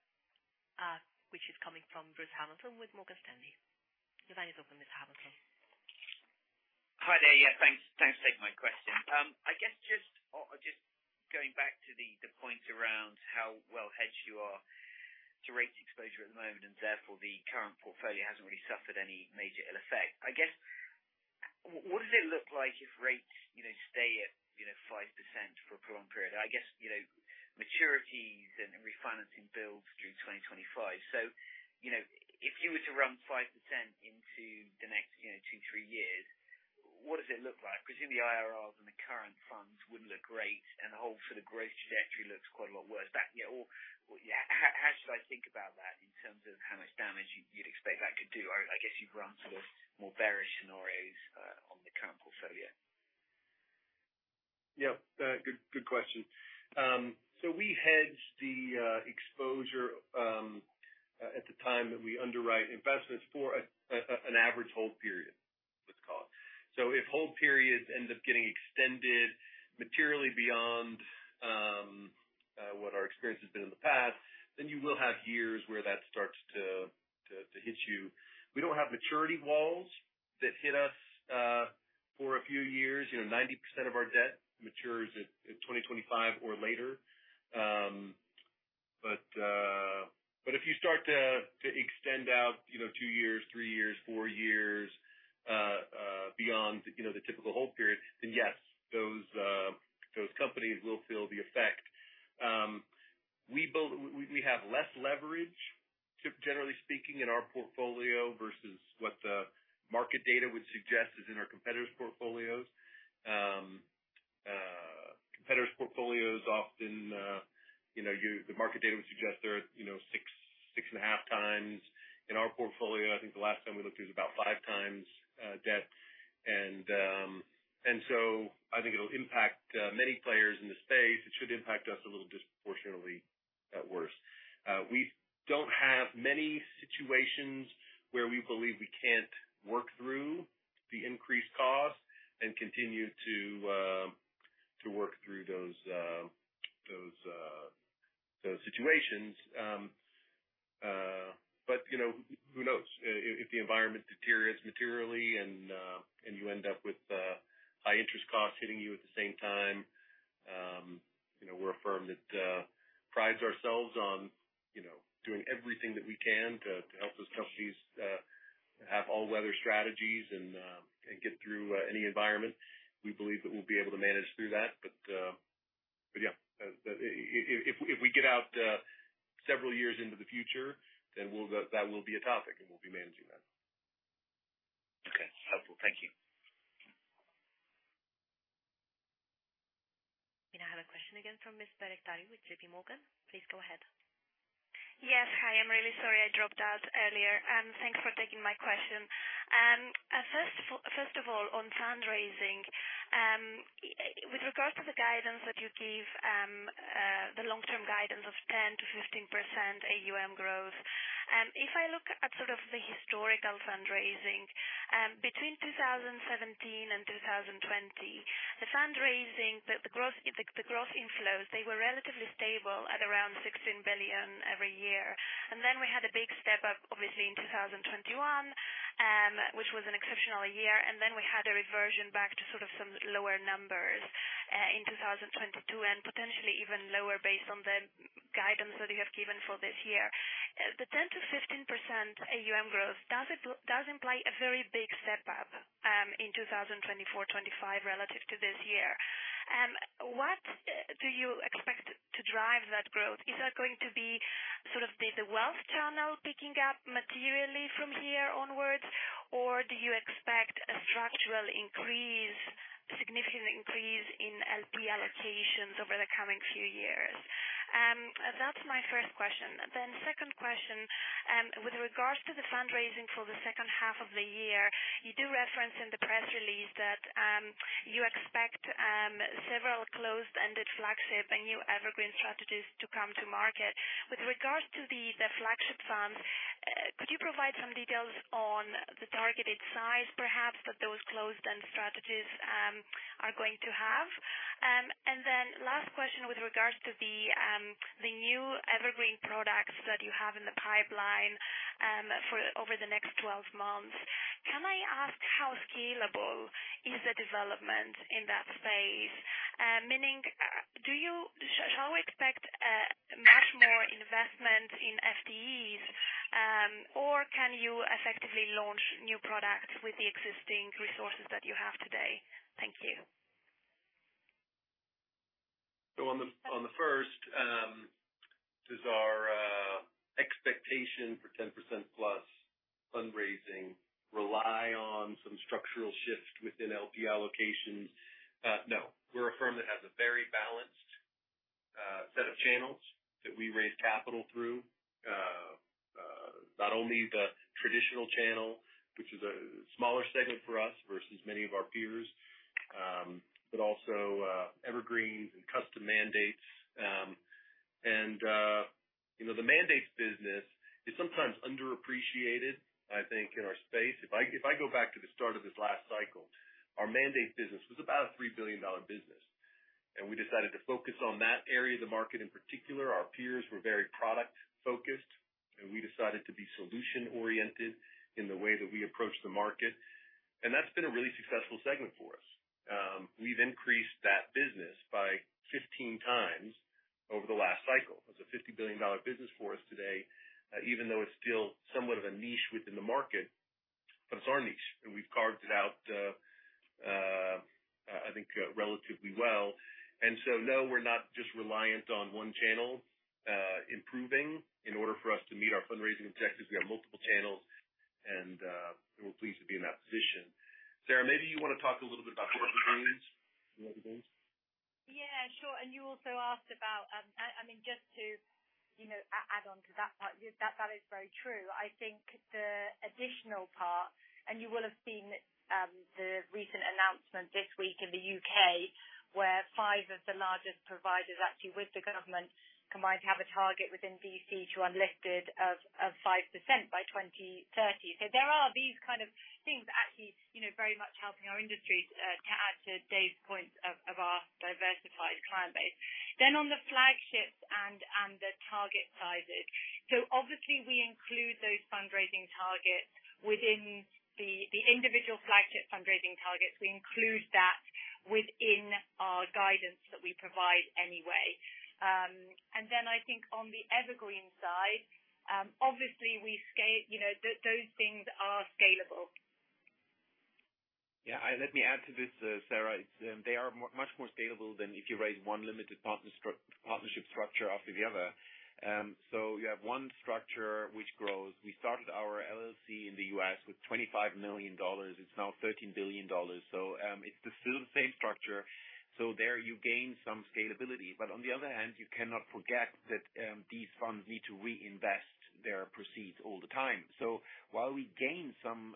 which is coming from Bruce Hamilton with Morgan Stanley. The line is open, Mr. Hamilton. Hi there. Yeah, thanks. Thanks for taking my question. I guess just going back to the point around how well hedged you are to rate the exposure at the moment, and therefore, the current portfolio hasn't really suffered any major ill effect. I guess, what does it look like if rates, you know, stay at, you know, 5% for a prolonged period? I guess, you know, maturities and refinancing bills through 2025. If you were to run 5% into the next, you know, two, three years, what does it look like? In the IRRs and the current funds wouldn't look great, and the whole sort of growth trajectory looks quite a lot worse. That, you know, yeah, how should I think about that in terms of how much damage you'd expect that could do? I guess you've run sort of more bearish scenarios on the current portfolio. Yeah. Good question. We hedge the exposure at the time that we underwrite investments for an average hold period, let's call it. If hold periods end up getting extended materially beyond what our experience has been in the past, then you will have years where that starts to hit you. We don't have maturity walls that hit us for a few years. You know, 90% of our debt matures at 2025 or later. If you start to extend out, you know, two years, three years, four years beyond, you know, the typical hold period, then yes, those companies will feel the effect. We have less leverage, generally speaking, in our portfolio versus what the market data would suggest is in our competitors' portfolios. Competitors' portfolios often, you know, the market data would suggest they're, you know, 6.5 times. In our portfolio, I think the last time we looked, it was about 5 times debt. I think it'll impact many players in the space. It should impact us a little disproportionately worse. We don't have many situations where we believe we can't work through the increased costs and continue to work through those, those situations. You know, who knows? If the environment deteriorates materially and you end up with high interest costs hitting you at the same time, you know, we're a firm that prides ourselves on, you know, doing everything that we can to help those companies have all weather strategies and get through any environment. We believe that we'll be able to manage through that. Yeah, if we get out several years into the future, then we'll, that will be a topic, and we'll be managing that. Okay. Helpful. Thank you. We now have a question again from Ms. Bairaktari with J.P. Morgan. Please go ahead. Yes. Hi, I'm really sorry I dropped out earlier, and thanks for taking my question. First of all, on fundraising, with regard to the guidance that you gave, the long-term guidance of 10%-15% AUM growth, if I look at sort of the historical fundraising, between 2017 and 2020, the fundraising, the growth inflows, they were relatively stable at around $16 billion every year. Then we had a big step up, obviously, in 2021, which was an exceptional year, and then we had a reversion back to sort of some lower numbers, in 2022, and potentially even lower based on the guidance that you have given for this year. The 10%-15% AUM growth, does it, does imply a very big step up in 2024, 2025, relative to this year. What do you expect to drive that growth? Is that going to be sort of the wealth channel picking up materially from here onwards, or do you expect a structural increase, significant increase in LP allocations over the coming few years? That's my first question. Second question, with regards to the fundraising for the second half of the year, you do reference in the press release that you expect several closed-ended flagship and new evergreen strategies to come to market. With regards to the flagship funds, could you provide some details on the targeted size, perhaps, that those closed-end strategies are going to have? Last question with regards to the new evergreen products that you have in the pipeline for over the next 12 months. Can I ask how scalable is the development in that space? Meaning, shall we expect much more investment in FTEs, or can you effectively launch new products with the existing resources that you have today? Thank you. On the first, does our expectation for 10% plus fundraising rely on some structural shifts within LP allocations? No. We're a firm that has a very balanced set of channels that we raise capital through. Not only the traditional channel, which is a smaller segment for us versus many of our peers, but also evergreens and custom mandates. And, you know, the mandates business is sometimes underappreciated, I think, in our space. If I go back to the start of this last cycle, our mandate business was about a $3 billion business, and we decided to focus on that area of the market in particular. Our peers were very product-focused, and we decided to be solution-oriented in the way that we approach the market, and that's been a really successful segment for us. We've increased that business by 15 times over the last cycle. It's a $50 billion business for us today, even though it's still somewhat of a niche within the market, but it's our niche, and we've carved it out, I think, relatively well. No, we're not just reliant on one channel, improving in order for us to meet our fundraising objectives. We have multiple channels, and we're pleased to be in that position. Sarah, maybe you want to talk a little bit about evergreens. The evergreens. Yeah, sure. You also asked about. I mean, just to, you know, add on to that part, that is very true. I think the additional part, you will have seen the recent announcement this week in the UK, where five of the largest providers, actually, with the government, combined to have a target within listed to unlisted of 5% by 2030. There are these kinds of things actually, you know, very much helping our industries to add to Dave's point of our diversified client base. On the flagships and the target sizes. Obviously, we include those fundraising targets within the individual flagship fundraising targets. We include that within our guidance that we provide anyway. I think on the evergreen side, obviously, we scale, you know, those things are scalable. Yeah, let me add to this, Sarah. It's, they are much more scalable than if you raise one limited partner partnership structure after the other. You have one structure which grows. We started our LLC in the US with $25 million. It's now $13 billion; it's still the same structure. There you gain some scalability. On the other hand, you cannot forget that these funds need to reinvest their proceeds all the time. While we gain some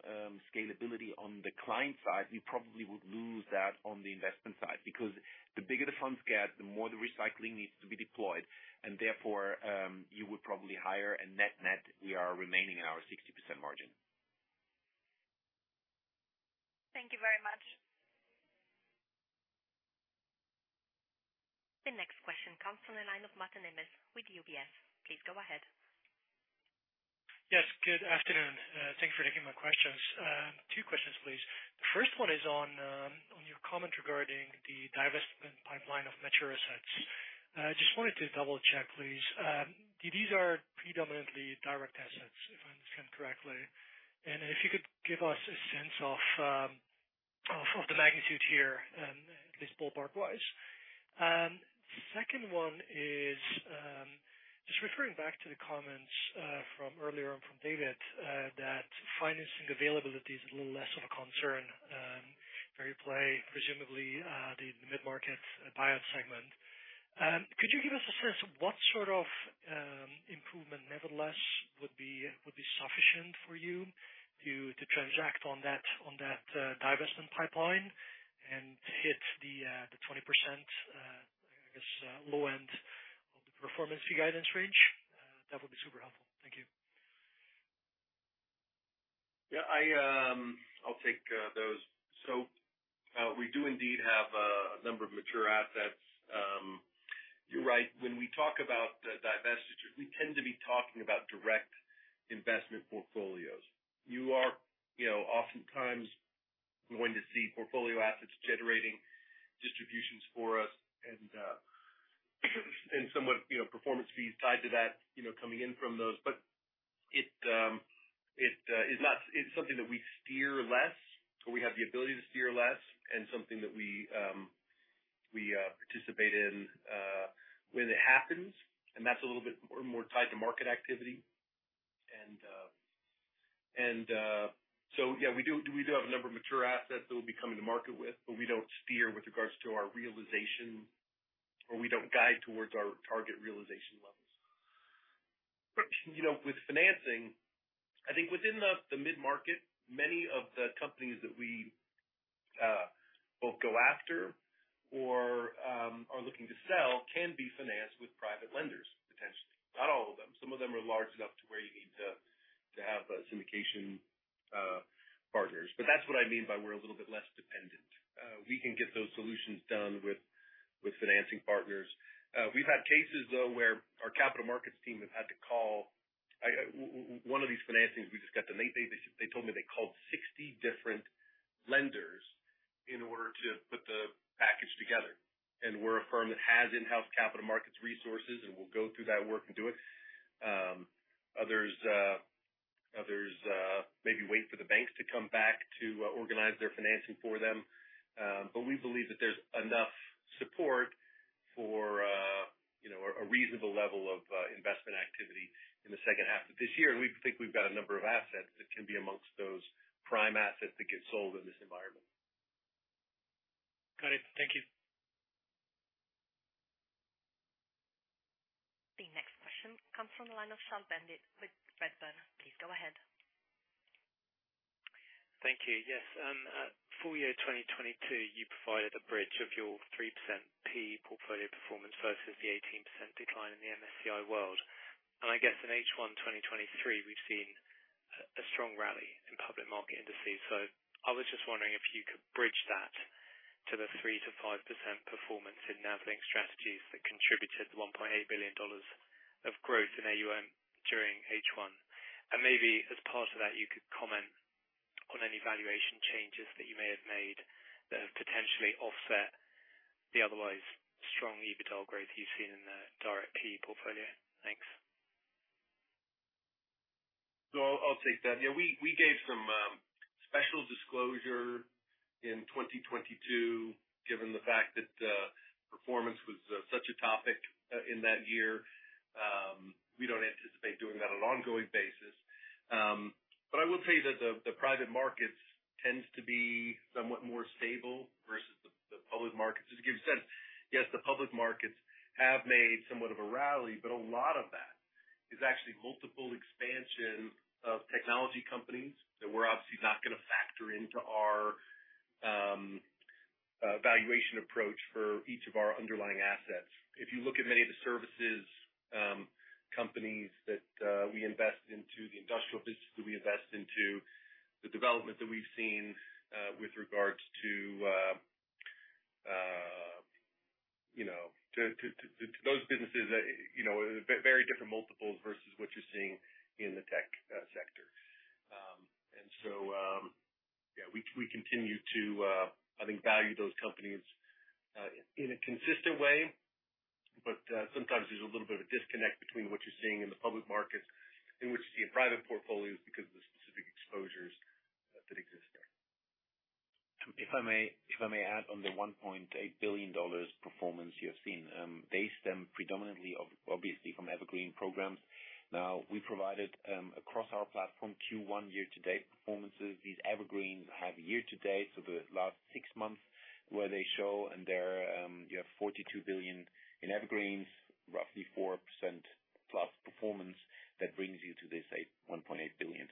scalability on the client side, we probably would lose that on the investment side, because the bigger the funds get, the more the recycling needs to be deployed, and therefore, you would probably hire, and net-net, we are remaining in our 60% margin. Thank you very much. The next question comes from the line of Mateusz Imre with UBS. Please go ahead. Yes, good afternoon. Thank you for taking my questions. Two questions, please. The first one is on on your comment regarding the divestment pipeline of mature assets. I just wanted to double-check, please. These are predominantly direct assets, if I understand correctly. If you could give us a sense of of the magnitude here, at least ballpark-wise? Second one is just referring back to the comments from earlier on from David, that financing availability is a little less of a concern, where you play, presumably, the mid-market buyout segment. Could you give us a sense of what sort of improvement, nevertheless, would be sufficient for you to transact on that divestment pipeline and hit the 20%, I guess, low end of the performance fee guidance range? That would be super helpful. Thank you. Yeah, I'll take those. We do indeed have a number of mature assets. You're right. When we talk about the divestitures, we tend to be talking about direct investment portfolios. You are, you know, oftentimes going to see portfolio assets generating distributions for us and somewhat, you know, performance fees tied to that, you know, coming in from those. It is not. It's something that we steer less or we have the ability to steer less, and something that we participate in when it happens, and that's a little bit more, more tied to market activity. Yeah, we do have a number of mature assets that we'll be coming to market with, but we don't steer with regards to our realization or we don't guide towards our target realization levels. You know, with financing, I think within the mid-market, many of the companies that we both go after or are looking to sell can be financed with private lenders, potentially. Not all of them. Some of them are large enough to where you need to have syndication partners. That's what I mean by we're a little bit less dependent. We can get those solutions done with financing partners. We've had cases, though, where our capital markets team have had to call one of these financings, we just got them. They told me they called 60 different lenders in order to put the package together. We're a firm that has in-house capital markets resources, and we'll go through that work and do it. Others maybe wait for the banks to come back to organize their financing for them. We believe that there's enough support for, you know, a reasonable level of investment activity in the second half of this year. We think we've got a number of assets that can be amongst those prime assets that get sold in this environment. Got it. Thank you. The next question comes from the line of Charles Bendit-Speranza with Redburn. Please go ahead. Thank you. Yes, full year 2022, you provided a bridge of your 3% PE portfolio performance versus the 18% decline in the MSCI World. I guess in H1 2023, we've seen a strong rally in public market indices. I was just wondering if you could bridge that to the 3%-5% performance in NAV lending strategies that contributed $1.8 billion of growth in AUM during H1. Maybe as part of that, you could comment on any valuation changes that you may have made that have potentially offset the otherwise strong EBITDA growth you've seen in the direct PE portfolio. Thanks. I'll take that. Yeah, we gave some special disclosure in 2022, given the fact that performance was such a topic in that year. We don't anticipate doing that on an ongoing basis. I will tell you that the private markets tends to be somewhat more stable versus the public markets. Just to give you a sense, yes, the public markets have made somewhat of a rally, but a lot of that is actually multiple expansion of technology companies that we're obviously not going to factor into our valuation approach for each of our underlying assets. If you look at many of the services, companies that we invest into, the industrial businesses that we invest into, the development that we've seen, with regards to, you know, to those businesses, you know, very different multiples versus what you're seeing in the tech sector. Yeah, we continue to, I think, value those companies in a consistent way, but sometimes there's a little bit of a disconnect between what you're seeing in the public markets and what you see in private portfolios because of the specific exposures that exist there. If I may, if I may add on the $1.8 billion performance you have seen. They stem predominantly obviously from Evergreen programs. We provided across our platform Q1 year-to-date performances. These Evergreens have year-to-date, so the last six months where they show and they're, you have 42 billion in Evergreens, roughly 4%+ performance. That brings you to this $1.8 billion.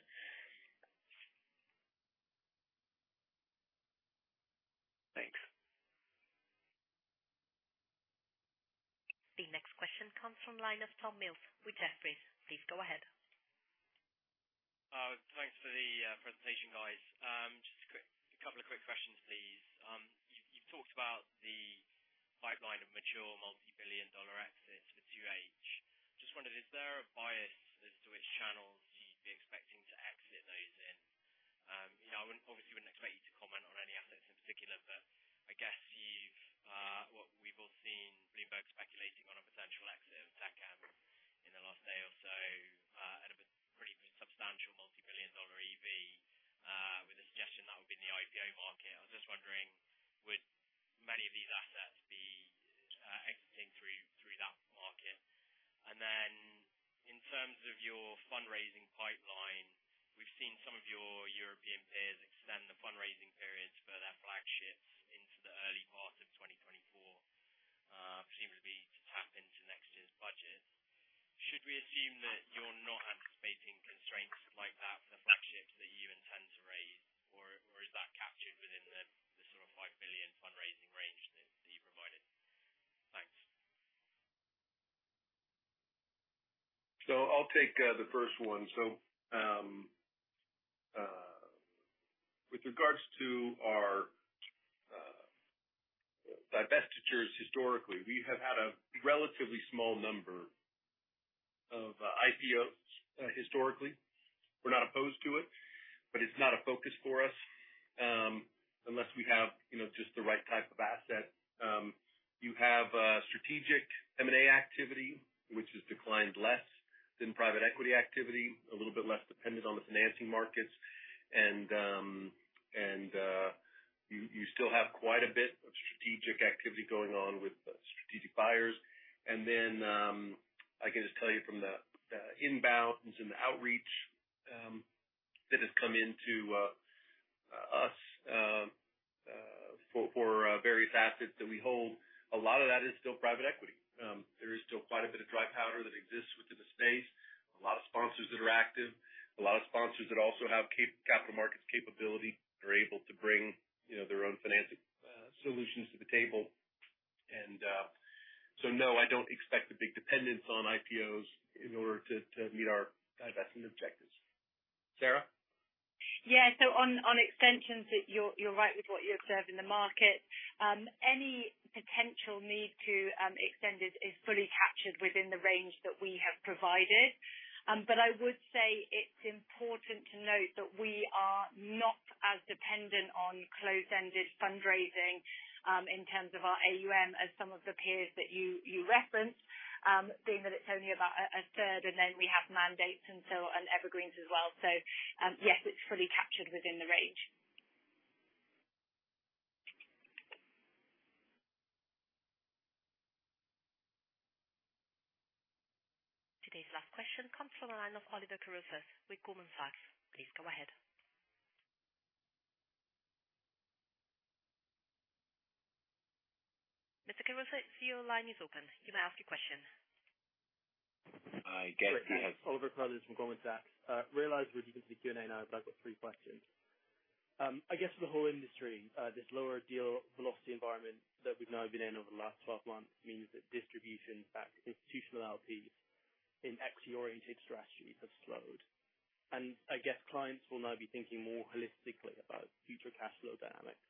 Thanks. The next question comes from the line of Tom Mills with Jefferies. Please go ahead. Thanks for the presentation, guys. Just a couple of quick questions, please. You talked about the pipeline of mature multi-billion dollar exits for 2 H. Just wondered, is there a bias as to which channels you'd be expecting to exit those in? You know, I wouldn't obviously expect you to comment on any assets in particular, but I guess you've what we've all seen, Bloomberg.... in the IPO market. I was just wondering, would many of these assets be exiting through that market? In terms of your fundraising pipeline, we've seen some of your European peers extend the fundraising periods for their flagships into the early part of 2024, presumably to tap into next year's budget. Should we assume that you're not anticipating constraints like that for the flagships that you intend to raise, or is that captured within the sort of $5 billion fundraising range that you provided? Thanks. I'll take the first one. With regards to our divestitures, historically, we have had a relatively small number of IPOs, historically. We're not opposed to it, but it's not a focus for us, unless we have, you know, just the right type of asset. You have strategic M&A activity, which has declined less than private equity activity, a little bit less dependent on the financing markets. You still have quite a bit of strategic activity going on with the strategic buyers. I can just tell you from the inbound and some outreach that has come into us for various assets that we hold, a lot of that is still private equity. There is still quite a bit of dry powder that exists within the space. A lot of sponsors that are active, a lot of sponsors that also have capital markets capability, are able to bring, you know, their own financing solutions to the table. No, I don't expect a big dependence on IPOs in order to meet our divestment objectives. Sarah? Yeah. On, on extensions, you're right with what you observe in the market. Any potential need to extend it is fully captured within the range that we have provided. But I would say it's important to note that we are not as dependent on closed-ended fundraising in terms of our AUM as some of the peers that you referenced, being that it's only about a third, and then we have mandates until, and Evergreens as well. Yes, it's fully captured within the range. Today's last question comes from the line of Oliver Carruthers with Goldman Sachs. Please go ahead. Mr. Carruthers, your line is open. You may ask your question. Hi, Gary- Oliver Carruthers from Goldman Sachs. Realize we're getting to the Q&A now, but I've got three questions. I guess for the whole industry, this lower deal velocity environment that we've now been in over the last 12 months means that distribution back to institutional LPs in equity-oriented strategies has slowed. I guess clients will now be thinking more holistically about future cash flow dynamics,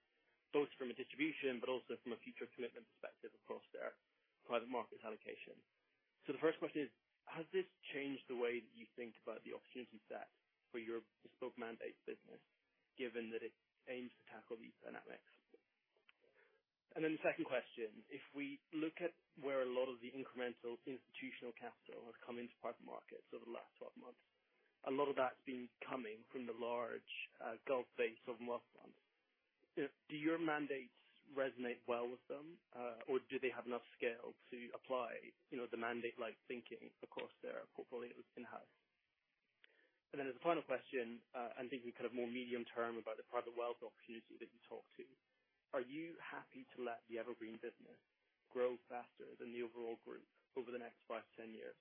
both from a distribution but also from a future commitment perspective across their private market allocation. The first question is, has this changed the way that you think about the opportunity set for your bespoke mandates business, given that it aims to tackle these dynamics? The second question, if we look at where a lot of the incremental institutional capital has come into private markets over the last 12 months, a lot of that's been coming from the large Gulf base of SWFs. Do your mandates resonate well with them, or do they have enough scale to apply, you know, the mandate like thinking across their portfolio in-house? As a final question, and thinking kind of more medium term about the private wealth opportunity that you talked to. Are you happy to let the Evergreen business grow faster than the overall group over the next 5 to 10 years?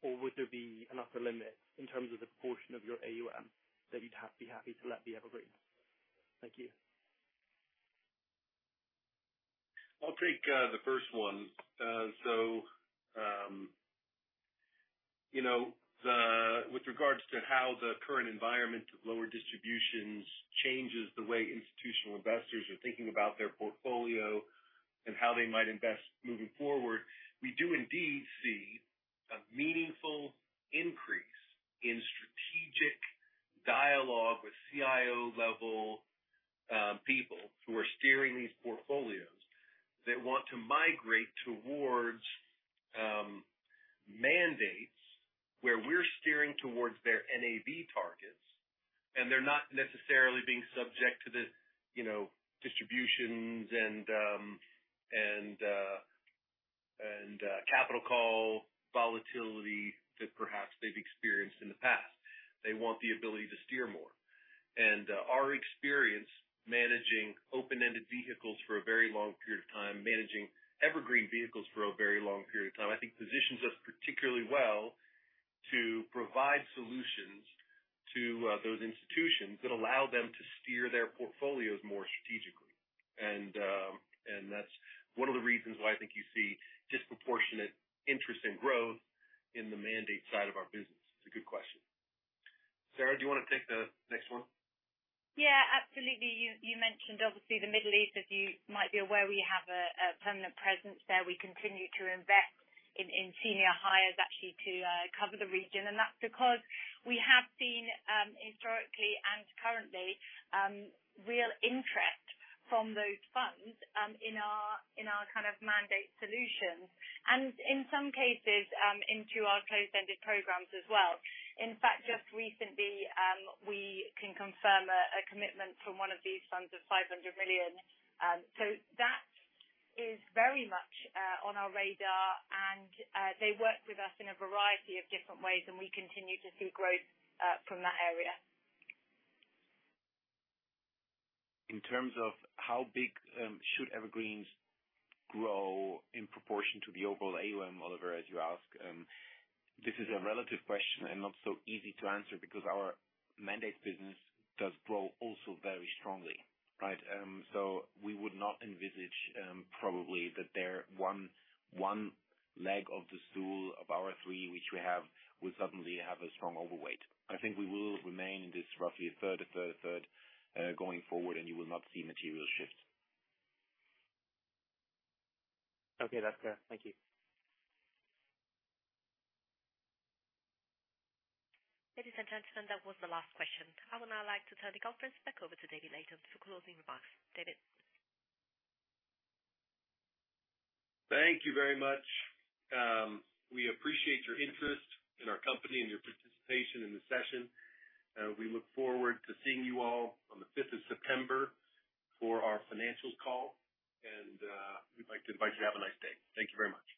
Or would there be an upper limit in terms of the proportion of your AUM that you'd have to be happy to let the Evergreen? Thank you. I'll take the first one. You know, with regards to how the current environment of lower distributions changes the way institutional investors are thinking about their portfolio and how they might invest moving forward, we do indeed see a meaningful increase in strategic dialogue with CIO-level people who are steering these portfolios. They want to migrate towards mandates where we're steering towards their NAV targets, and they're not necessarily being subject to the, you know, distributions and capital call volatility that perhaps they've experienced in the past. They want the ability to steer more. Our experience managing open-ended vehicles for a very long period of time, managing evergreen vehicles for a very long period of time, I think positions us particularly well to provide solutions to those institutions that allow them to steer their portfolios more strategically. That's one of the reasons why I think you see disproportionate interest and growth in the mandate side of our business. It's a good question. Sarah, do you want to take the next one? Yeah, absolutely. You mentioned obviously, the Middle East. As you might be aware, we have a permanent presence there. We continue to invest in senior hires actually to cover the region. That's because we have seen historically and currently real interest from those funds in our kind of mandate solutions, and in some cases into our closed-ended programs as well. In fact, just recently, we can confirm a commitment from one of these funds of $500 million. That is very much on our radar, and they work with us in a variety of different ways, and we continue to see growth from that area. In terms of how big should evergreens grow in proportion to the overall AUM, Oliver, as you ask, this is a relative question and not so easy to answer because our mandate business does grow also very strongly, right? We would not envisage probably that there one leg of the stool of our three, which we have, will suddenly have a strong overweight. I think we will remain in this roughly a third, a third, a third, going forward, and you will not see material shifts. Okay, that's clear. Thank you. Ladies and gentlemen, that was the last question. I would now like to turn the conference back over to David Layton for closing remarks. David? Thank you very much. We appreciate your interest in our company and your participation in the session. We look forward to seeing you all on the fifth of September for our financials call, and we'd like to invite you to have a nice day. Thank you very much.